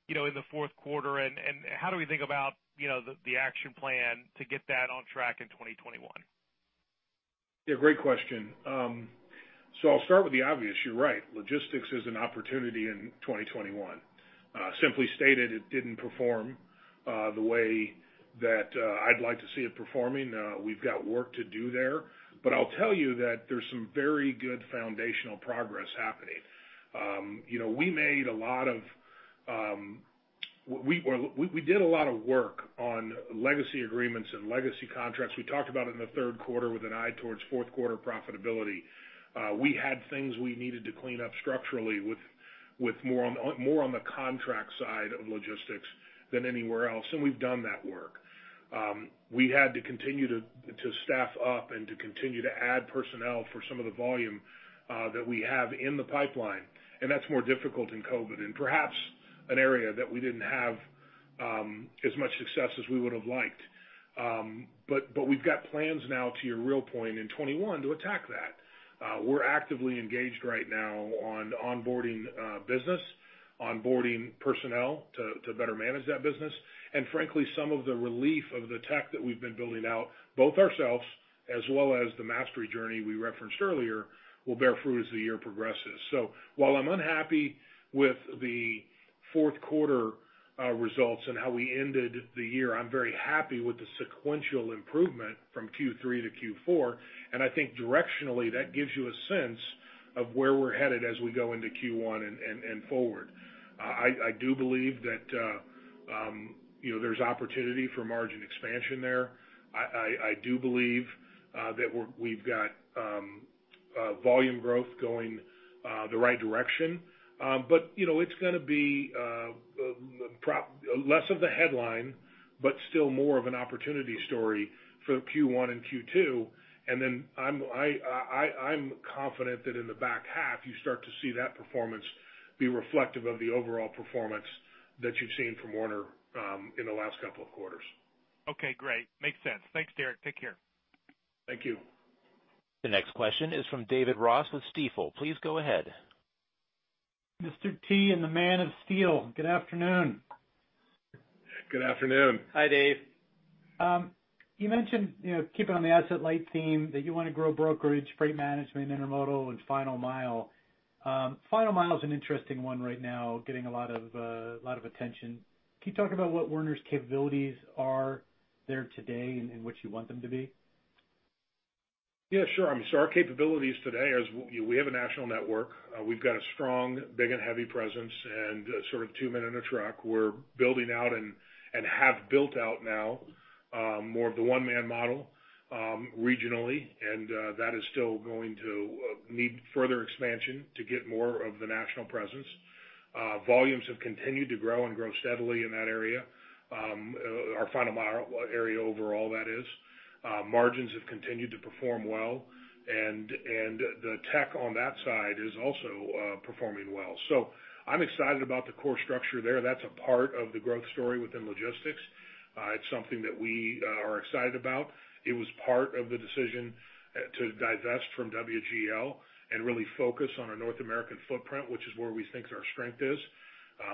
in the Q4, and how do we think about the action plan to get that on track in 2021? Yeah, great question. I'll start with the obvious you're right. Logistics is an opportunity in 2021. Simply stated, it didn't perform the way that I'd like to see it performing we've got work to do there. I'll tell you that there's some very good foundational progress happening. We did a lot of work on legacy agreements and legacy contracts we talked about it in the Q3 with an eye towards Q4 profitability. We had things we needed to clean up structurally with more on the contract side of logistics than anywhere else, and we've done that work. We had to continue to staff up and to continue to add personnel for some of the volume that we have in the pipeline, and that's more difficult in COVID perhaps an area that we didn't have as much success as we would have liked. We've got plans now, to your real point, in 2021 to attack that. We're actively engaged right now on onboarding business, onboarding personnel to better manage that business. Frankly, some of the relief of the tech that we've been building out, both ourselves, as well as the Mastery journey we referenced earlier, will bear fruit as the year progresses. While I'm unhappy with the Q4 results and how we ended the year, I'm very happy with the sequential improvement from Q3 to Q4, and I think directionally, that gives you a sense of where we're headed as we go into Q1 and forward. I do believe that there's opportunity for margin expansion there. I do believe that we've got volume growth going the right direction. It's going to be less of the headline, but still more of an opportunity story for Q1 and Q2. I'm confident that in the back half, you start to see that performance be reflective of the overall performance that you've seen from Werner in the last couple of quarters. Okay, great. Makes sense. Thanks, Derek. Take care. Thank you. The next question is from David Ross with Stifel. Please go ahead. Mr. T and the Man of Steel. Good afternoon. Good afternoon. Hi, Dave. You mentioned, keeping on the asset light theme, that you want to grow brokerage, freight management, intermodal, and final mile. Final mile is an interesting one right now, getting a lot of attention. Can you talk about what Werner's capabilities are there today? and what you want them to be? Yeah, sure so our capabilities today is we have a national network. We've got a strong big and heavy presence and sort of two men in a truck we're building out, and have built out now, more of the one-man model regionally, and that is still going to need further expansion to get more of the national presence. Volumes have continued to grow and grow steadily in that area. Our final mile area overall, that is. Margins have continued to perform well, and the tech on that side is also performing well. I'm excited about the core structure there that's a part of the growth story within logistics. It's something that we are excited about. It was part of the decision to divest from WGL and really focus on our North American footprint, which is where we think our strength is.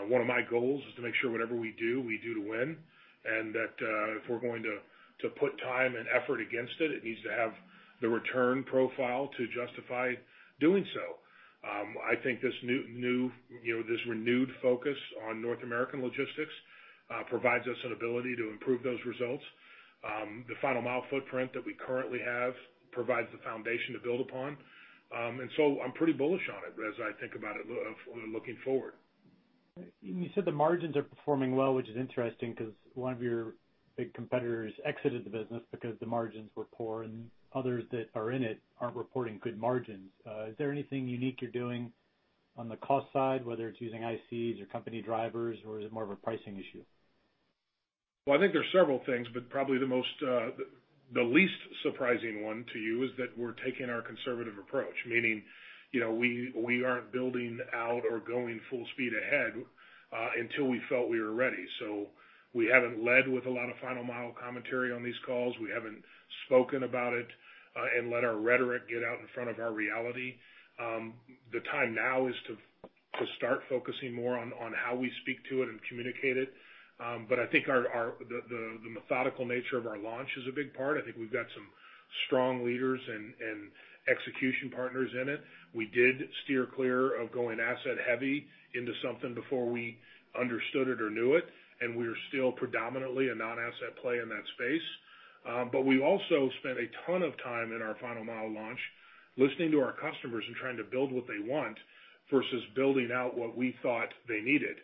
One of my goals is to make sure whatever we do, we do to win, and that if we're going to put time and effort against it needs to have the return profile to justify doing so. I think this renewed focus on North American logistics provides us an ability to improve those results. The final mile footprint that we currently have provides the foundation to build upon. I'm pretty bullish on it as I think about it looking forward. You said the margins are performing well, which is interesting because one of your big competitors exited the business because the margins were poor. And others that are in it aren't reporting good margins. Is there anything unique you're doing on the cost side? whether it's using ICs or company drivers, or is it more of a pricing issue? Well, I think there are several things, but probably the least surprising one to you is that we're taking our conservative approach, meaning, we aren't building out or going full speed ahead until we felt we were ready. We haven't led with a lot of final mile commentary on these calls. We haven't spoken about it, and let our rhetoric get out in front of our reality. The time now is to start focusing more on how we speak to it and communicate it. I think the methodical nature of our launch is a big part i think we've got some strong leaders and execution partners in it. We did steer clear of going asset heavy into something before we understood it or knew it, and we are still predominantly a non-asset play in that space. We also spent a ton of time in our final mile launch listening to our customers and trying to build what they want versus building out what we thought they needed.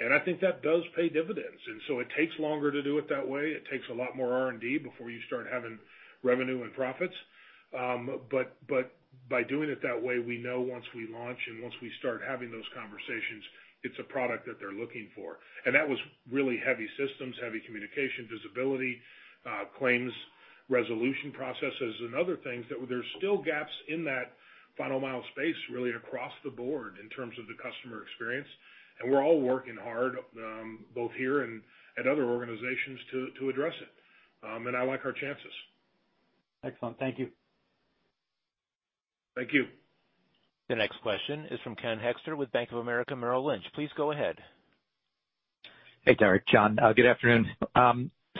I think that does pay dividends. It takes longer to do it that way. It takes a lot more R&D before you start having revenue and profits. By doing it that way, we know once we launch and once we start having those conversations, it's a product that they're looking for. That was really heavy systems, heavy communication, visibility, claims, resolution processes, and other things that there are still gaps in that final mile space, really across the board in terms of the customer experience. We're all working hard, both here and at other organizations, to address it. I like our chances. Excellent. Thank you. Thank you. The next question is from Ken Hoexter with Bank of America Merrill Lynch. Please go ahead. Hey, Derek. John good afternoon.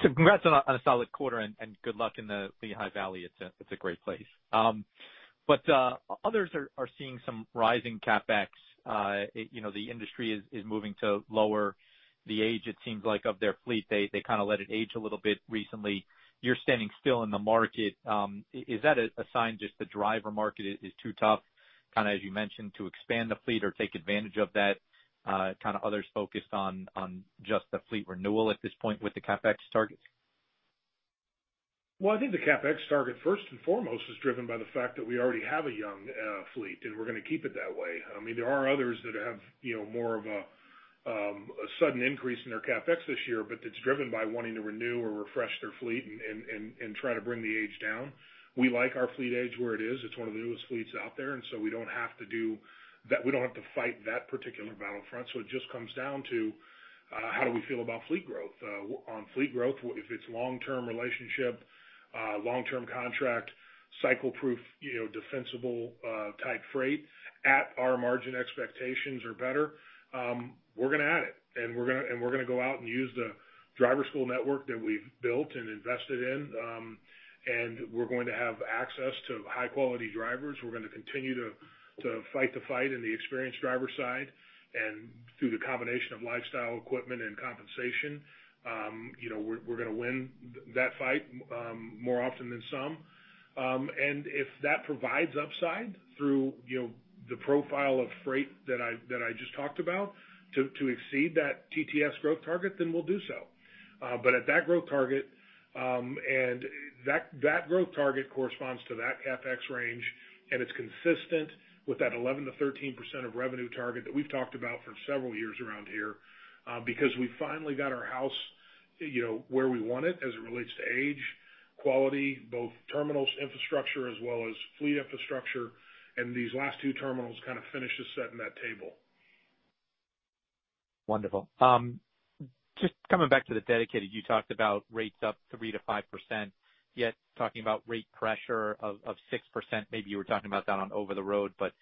Congrats on a solid quarter, and good luck in the Lehigh Valley it's a great place. Others are seeing some rising CapEx. The industry is moving to lower the age, it seems like, of their fleet they kind of let it age a little bit recently. You're standing still in the market. Is that a sign just the driver market is too tough? as you mentioned, to expand the fleet or take advantage of that, kind of others focused on just the fleet renewal at this point with the CapEx targets? Well, I think the CapEx target, first and foremost, is driven by the fact that we already have a young fleet, and we're going to keep it that way i mean there are others that have more of a sudden increase in their CapEx this year, but it's driven by wanting to renew or refresh their fleet and try to bring the age down. We like our fleet age where it is it's one of the newest fleets out there, and so we don't have to fight that particular battle front it just comes down to how do we feel about fleet growth? On fleet growth, if it's long-term relationship, long-term Contract Lifecycle proof, defensible type freight at our margin expectations or better, we're going to add it, and we're going to go out and use the driver school network that we've built and invested in. We're going to have access to high-quality drivers we're going to continue to fight the fight in the experienced driver side and through the combination of lifestyle equipment and compensation, we're going to win that fight more often than some. If that provides upside through the profile of freight that I just talked about to exceed that TTS growth target, then we'll do so. At that growth target, and that growth target corresponds to that CapEx range, and it's consistent with that 11%-13% of revenue target that we've talked about for several years around here, because we finally got our house where we want it as it relates to age, quality, both terminals infrastructure as well as fleet infrastructure. These last two terminals kind of finish just setting that table. Wonderful. Coming back to the Dedicated, you talked about rates up 3%-5%, yet talking about rate pressure of 6%, maybe you were talking about that on over-the-road, but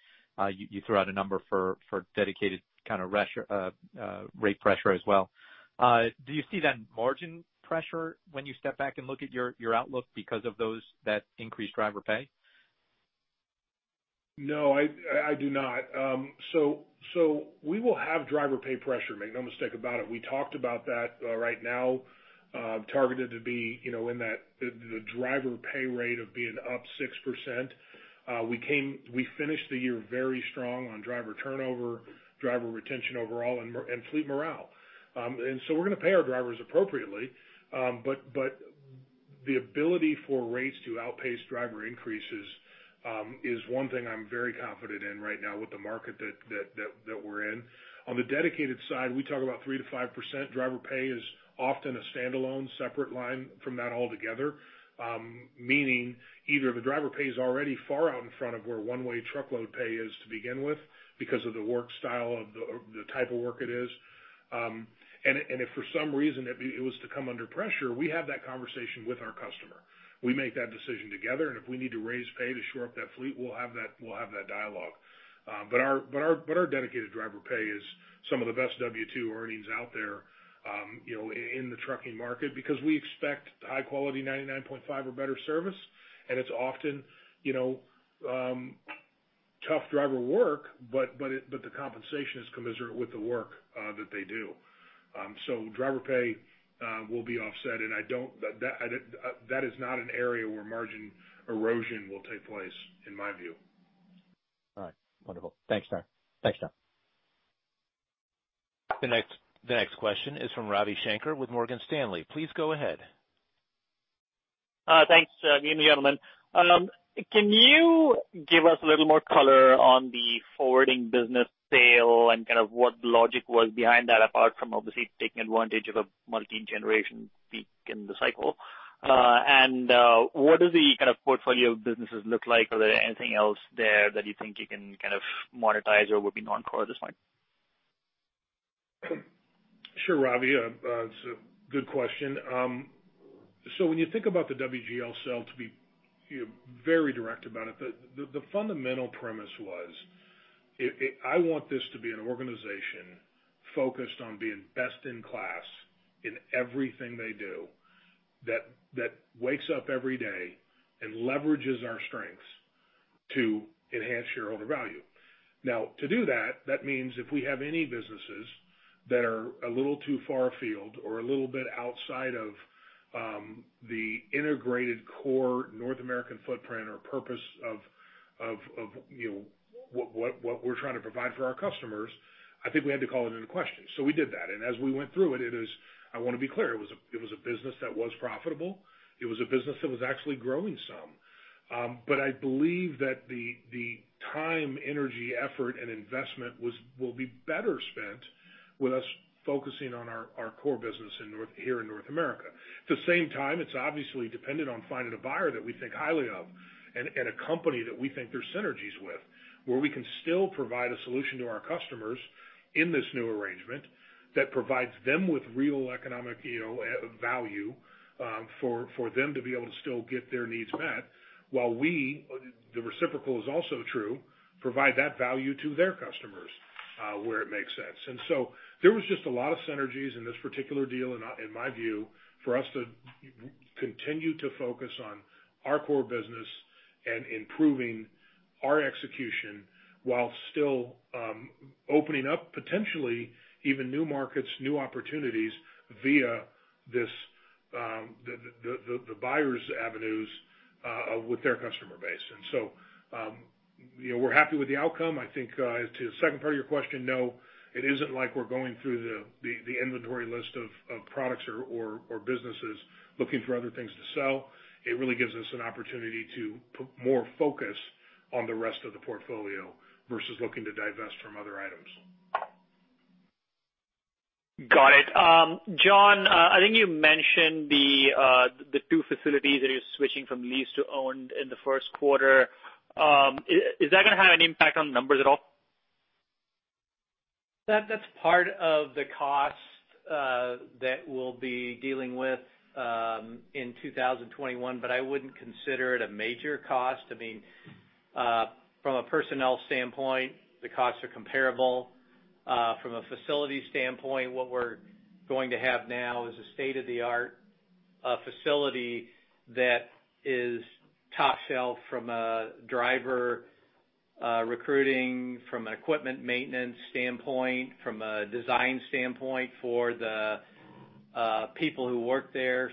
you threw out a number for Dedicated kind of rate pressure as well. Do you see that margin pressure when you step back and look at your outlook because of that increased driver pay? No, I do not. We will have driver pay pressure, make no mistake about it we talked about that right now, targeted to be in that the driver pay rate of being up 6%. We finished the year very strong on driver turnover, driver retention overall, and fleet morale. We're going to pay our drivers appropriately. The ability for rates to outpace driver increases is one thing I'm very confident in right now with the market that we're in. On the Dedicated side, we talk about 3%-5% driver pay is often a standalone separate line from that altogether. Meaning either the driver pay is already far out in front of where One-Way Truckload pay is to begin with because of the work style of the type of work it is. If for some reason it was to come under pressure, we have that conversation with our customer. We make that decision together, and if we need to raise pay to shore up that fleet, we'll have that dialogue. Our Dedicated driver pay is some of the best W2 earnings out there in the trucking market because we expect high quality, 99.5% or better service, and it's often tough driver work, but the compensation is commensurate with the work that they do. Driver pay will be offset, and that is not an area where margin erosion will take place in my view. All right. Wonderful. Thanks, John. The next question is from Ravi Shanker with Morgan Stanley. Please go ahead. Thanks, [unintelligible] can you give us a little more color on the forwarding business sale and kind of what the logic was behind that apart from obviously taking advantage of a multi-generation peak in the cycle? What does the kind of portfolio of businesses look like? Are there anything else there that you think you can kind of monetize or would be non-core at this point? Sure, Ravi. It's a good question. When you think about the WGL sale, to be very direct about it, the fundamental premise was, I want this to be an organization focused on being best in class in everything they do, that wakes up every day and leverages our strengths to enhance shareholder value. To do that means if we have any businesses that are a little too far afield or a little bit outside of the integrated core North American footprint or purpose of what we're trying to provide for our customers, I think we had to call it into question so we did that, and as we went through it, I want to be clear, it was a business that was profitable. It was a business that was actually growing some. I believe that the time, energy, effort, and investment will be better spent with us focusing on our core business here in North America. At the same time, it's obviously dependent on finding a buyer that we think highly of and a company that we think there's synergies with, where we can still provide a solution to our customers in this new arrangement that provides them with real economic value for them to be able to still get their needs met while we, the reciprocal is also true, provide that value to their customers where it makes sense. There was just a lot of synergies in this particular deal, in my view, for us to continue to focus on our core business and improving our execution while still opening up potentially even new markets, new opportunities via the buyer's avenues with their customer base. We're happy with the outcome i think to the second part of your question, no, it isn't like we're going through the inventory list of products or businesses looking for other things to sell. It really gives us an opportunity to put more focus on the rest of the portfolio versus looking to divest from other items. Got it. John, I think you mentioned the two facilities that you're switching from lease to owned in the Q1. Is that going to have any impact on numbers at all? That's part of the cost that we'll be dealing with in 2021, but I wouldn't consider it a major cost. From a personnel standpoint, the costs are comparable. From a facility standpoint, what we're going to have now is a state-of-the-art facility that is top shelf from a driver recruiting, from an equipment maintenance standpoint, from a design standpoint for the people who work there.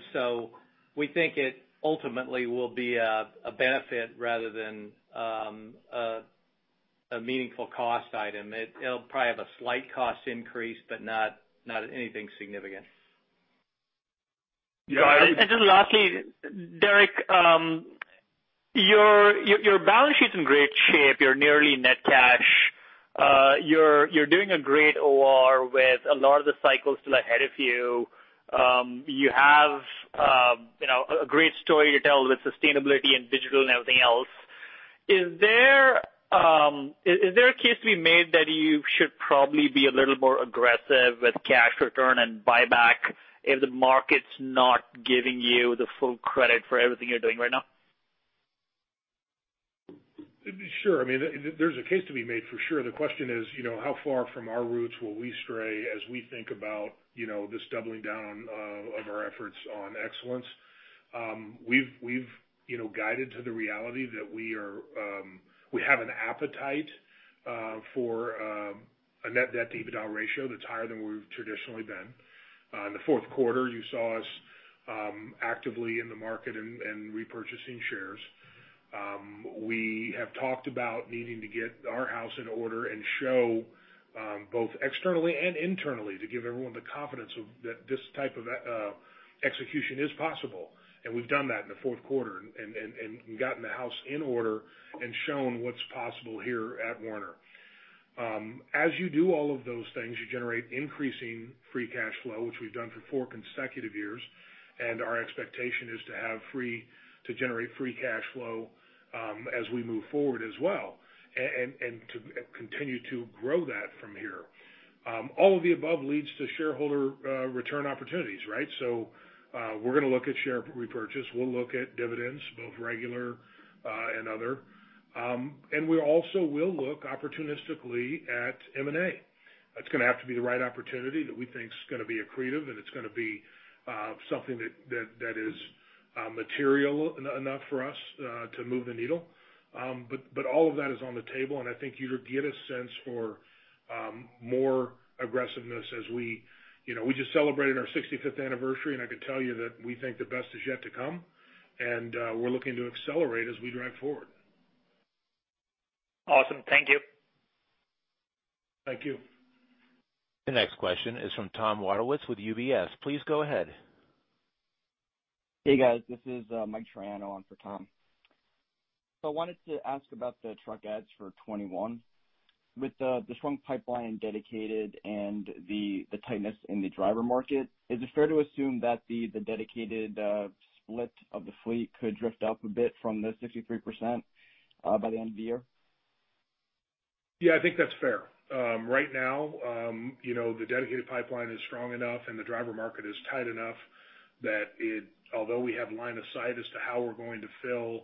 We think it ultimately will be a benefit rather than a meaningful cost item it'll probably have a slight cost increase, but not anything significant. Just lastly, Derek, your balance sheet's in great shape you're nearly net cash. You're doing a great OR with a lot of the cycles still ahead of you. You have a great story to tell with sustainability and digital and everything else. Is there a case to be made that you should probably be a little more aggressive with cash return and buyback if the market's not giving you the full credit for everything you're doing right now? Sure. There's a case to be made for sure the question is, how far from our roots will we stray as we think about this doubling down of our efforts on excellence? We've guided to the reality that we have an appetite for a net debt-to-EBITDA ratio that's higher than we've traditionally been. In the Q4, you saw us actively in the market and repurchasing shares. We have talked about needing to get our house in order and show both externally and internally to give everyone the confidence that this type of execution is possible. We've done that in the Q4 and gotten the house in order and shown what's possible here at Werner. As you do all of those things, you generate increasing free cash flow, which we've done for four consecutive years, and our expectation is to generate free cash flow as we move forward as well, and to continue to grow that from here. All of the above leads to shareholder return opportunities, right? We're going to look at share repurchase we'll look at dividends, both regular and other. We also will look opportunistically at M&A. It's going to have to be the right opportunity that we think is going to be accretive, and it's going to be something that is material enough for us to move the needle. All of that is on the table, and I think you'd get a sense for more aggressiveness as we just celebrated our 65th anniversary, and I can tell you that we think the best is yet to come, and we're looking to accelerate as we drive forward. Awesome. Thank you. Thank you. The next question is from Tom Wadewitz with UBS. Please go ahead. Hey, guys. This is Mike Triano on for Tom. I wanted to ask about the truck adds for 2021. With the strong pipeline Dedicated and the tightness in the driver market, is it fair to assume that the Dedicated split of the fleet could drift up a bit from the 63% by the end of the year? Yeah, I think that's fair. Right now, the Dedicated pipeline is strong enough and the driver market is tight enough that although we have line of sight as to how we're going to fill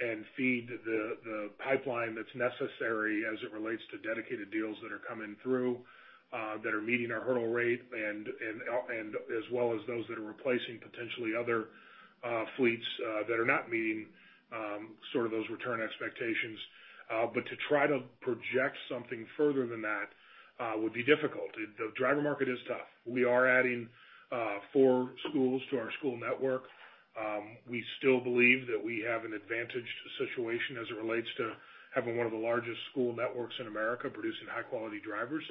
and feed the pipeline that's necessary as it relates to Dedicated deals that are coming through that are meeting our hurdle rate, as well as those that are replacing potentially other fleets that are not meeting those return expectations. To try to project something further than that would be difficult the driver market is tough. We are adding four schools to our school network. We still believe that we have an advantaged situation as it relates to having one of the largest school networks in America producing high-quality drivers.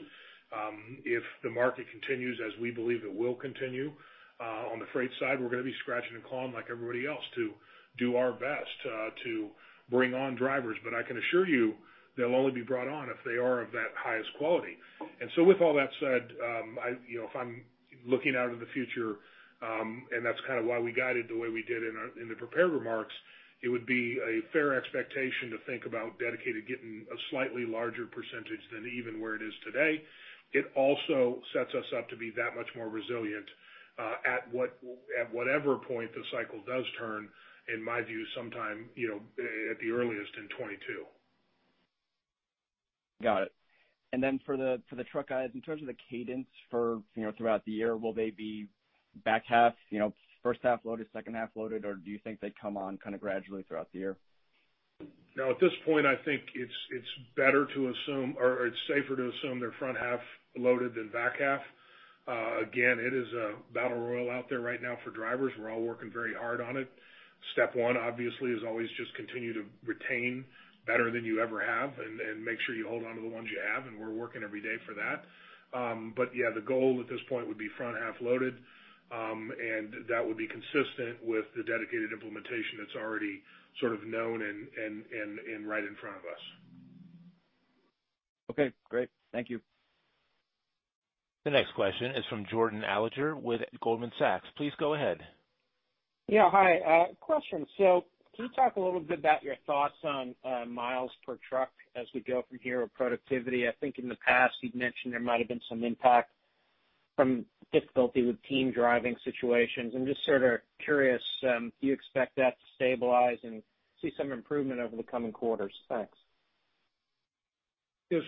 If the market continues as we believe it will continue on the freight side, we're going to be scratching and clawing like everybody else to do our best to bring on drivers but i can assure you they'll only be brought on if they are of that highest quality. If I'm looking out into the future, and that's why we guided the way we did in the prepared remarks, it would be a fair expectation to think about Dedicated getting a slightly larger percentage than even where it is today. It also sets us up to be that much more resilient at whatever point the cycle does turn, in my view, sometime at the earliest in 2022. Got it. Then for the truck adds, in terms of the cadence throughout the year, will they be back half? first half loaded? second half loaded? or do you think they come on gradually throughout the year? No, at this point, I think it's safer to assume they're front half loaded than back half. Again, it is a battle royal out there right now for drivers we're all working very hard on it. Step one, obviously, is always just continue to retain better than you ever have and make sure you hold onto the ones you have, and we're working every day for that. Yeah, the goal at this point would be front half loaded, and that would be consistent with the Dedicated implementation that's already known and right in front of us. Okay, great. Thank you. The next question is from Jordan Alliger with Goldman Sachs. Please go ahead. Yeah. Hi. Question. Can you talk a little bit about your thoughts on miles per truck as we go from here with productivity? I think in the past you'd mentioned there might have been some impact from difficulty with team driving situations i'm just sort of curious, do you expect that to stabilize and see some improvement over the coming quarters? Thanks. Yeah.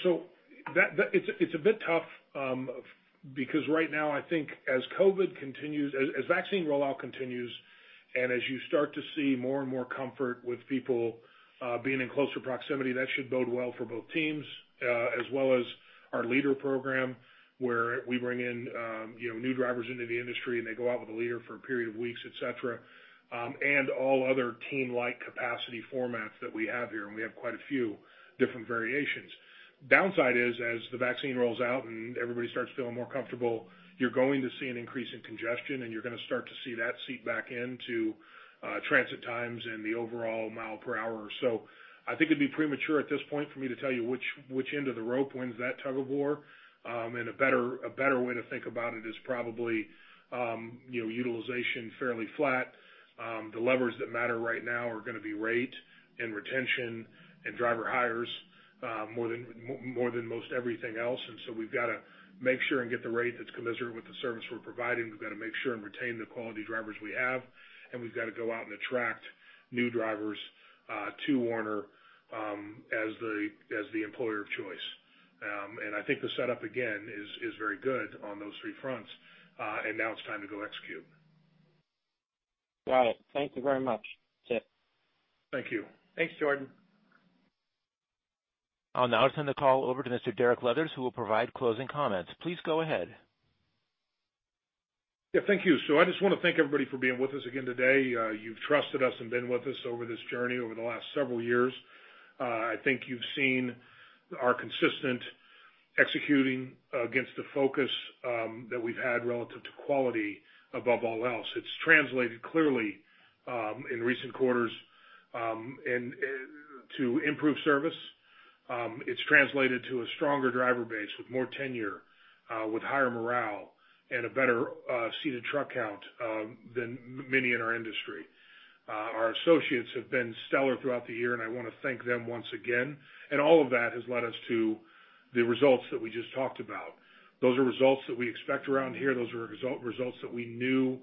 It's a bit tough, because right now, I think as COVID continues, as vaccine rollout continues, and as you start to see more and more comfort with people being in closer proximity, that should bode well for both teams, as well as our leader program, where we bring in new drivers into the industry, and they go out with a leader for a period of weeks, et cetera, and all other team-like capacity formats that we have here, and we have quite a few different variations. Downside is, as the vaccine rolls out and everybody starts feeling more comfortable, you're going to see an increase in congestion, and you're going to start to see that seep back into transit times and the overall mile per hour. I think it'd be premature at this point for me to tell you which end of the rope wins that tug of war. A better way to think about it is probably, utilization fairly flat. The levers that matter right now are going to be rate and retention and driver hires, more than most everything else so we've got to make sure and get the rate that's commensurate with the service we're providing we've got to make sure and retain the quality drivers we have, and we've got to go out and attract new drivers to Werner as the employer of choice. I think the setup again, is very good on those three fronts, and now it's time to go execute. Got it. Thank you very much. That's it. Thank you. Thanks, Jordan. I'll now turn the call over to Mr. Derek Leathers, who will provide closing comments. Please go ahead. Yeah, thank you. I just want to thank everybody for being with us again today. You've trusted us and been with us over this journey over the last several years. I think you've seen our consistent executing against the focus that we've had relative to quality above all else it's translated clearly, in recent quarters, to improved service. It's translated to a stronger driver base with more tenure, with higher morale and a better seated truck count than many in our industry. Our associates have been stellar throughout the year, and I want to thank them once again, and all of that has led us to the results that we just talked about. Those are results that we expect around here those are results that we knew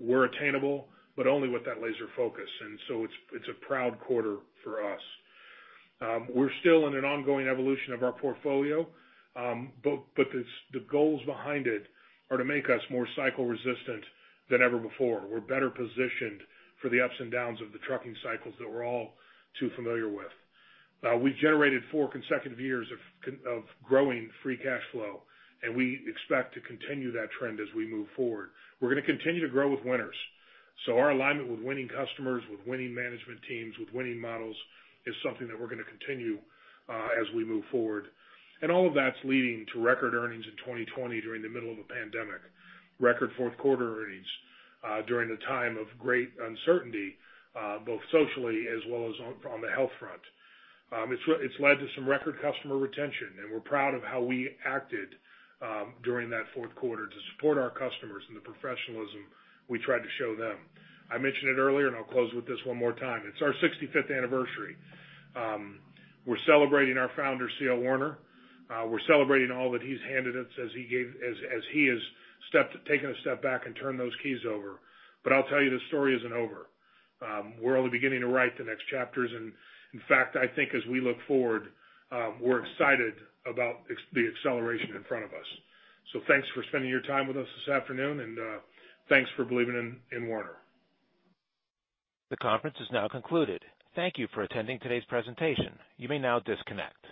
were attainable, but only with that laser focus. It's a proud quarter for us. We're still in an ongoing evolution of our portfolio, but the goals behind it are to make us more cycle resistant than ever before we're better positioned for the ups and downs of the trucking cycles that we're all too familiar with. We've generated four consecutive years of growing free cash flow, and we expect to continue that trend as we move forward. We're going to continue to grow with Werner. Our alignment with winning customers, with winning management teams, with winning models is something that we're going to continue as we move forward. All of that's leading to record earnings in 2020 during the middle of a pandemic. Record Q4 earnings during a time of great uncertainty, both socially as well as on the health front. It's led to some record customer retention, and we're proud of how we acted during that Q4 to support our customers and the professionalism we tried to show them. I mentioned it earlier, and I'll close with this one more time it's our 65th anniversary. We're celebrating our founder, C.L. Werner. We're celebrating all that he's handed us as he has taken a step back and turned those keys over. I'll tell you, the story isn't over. We're only beginning to write the next chapters, and in fact, I think as we look forward, we're excited about the acceleration in front of us. Thanks for spending your time with us this afternoon, and thanks for believing in Werner. The conference has now concluded. Thank you for attending today's presentation. You may now disconnect.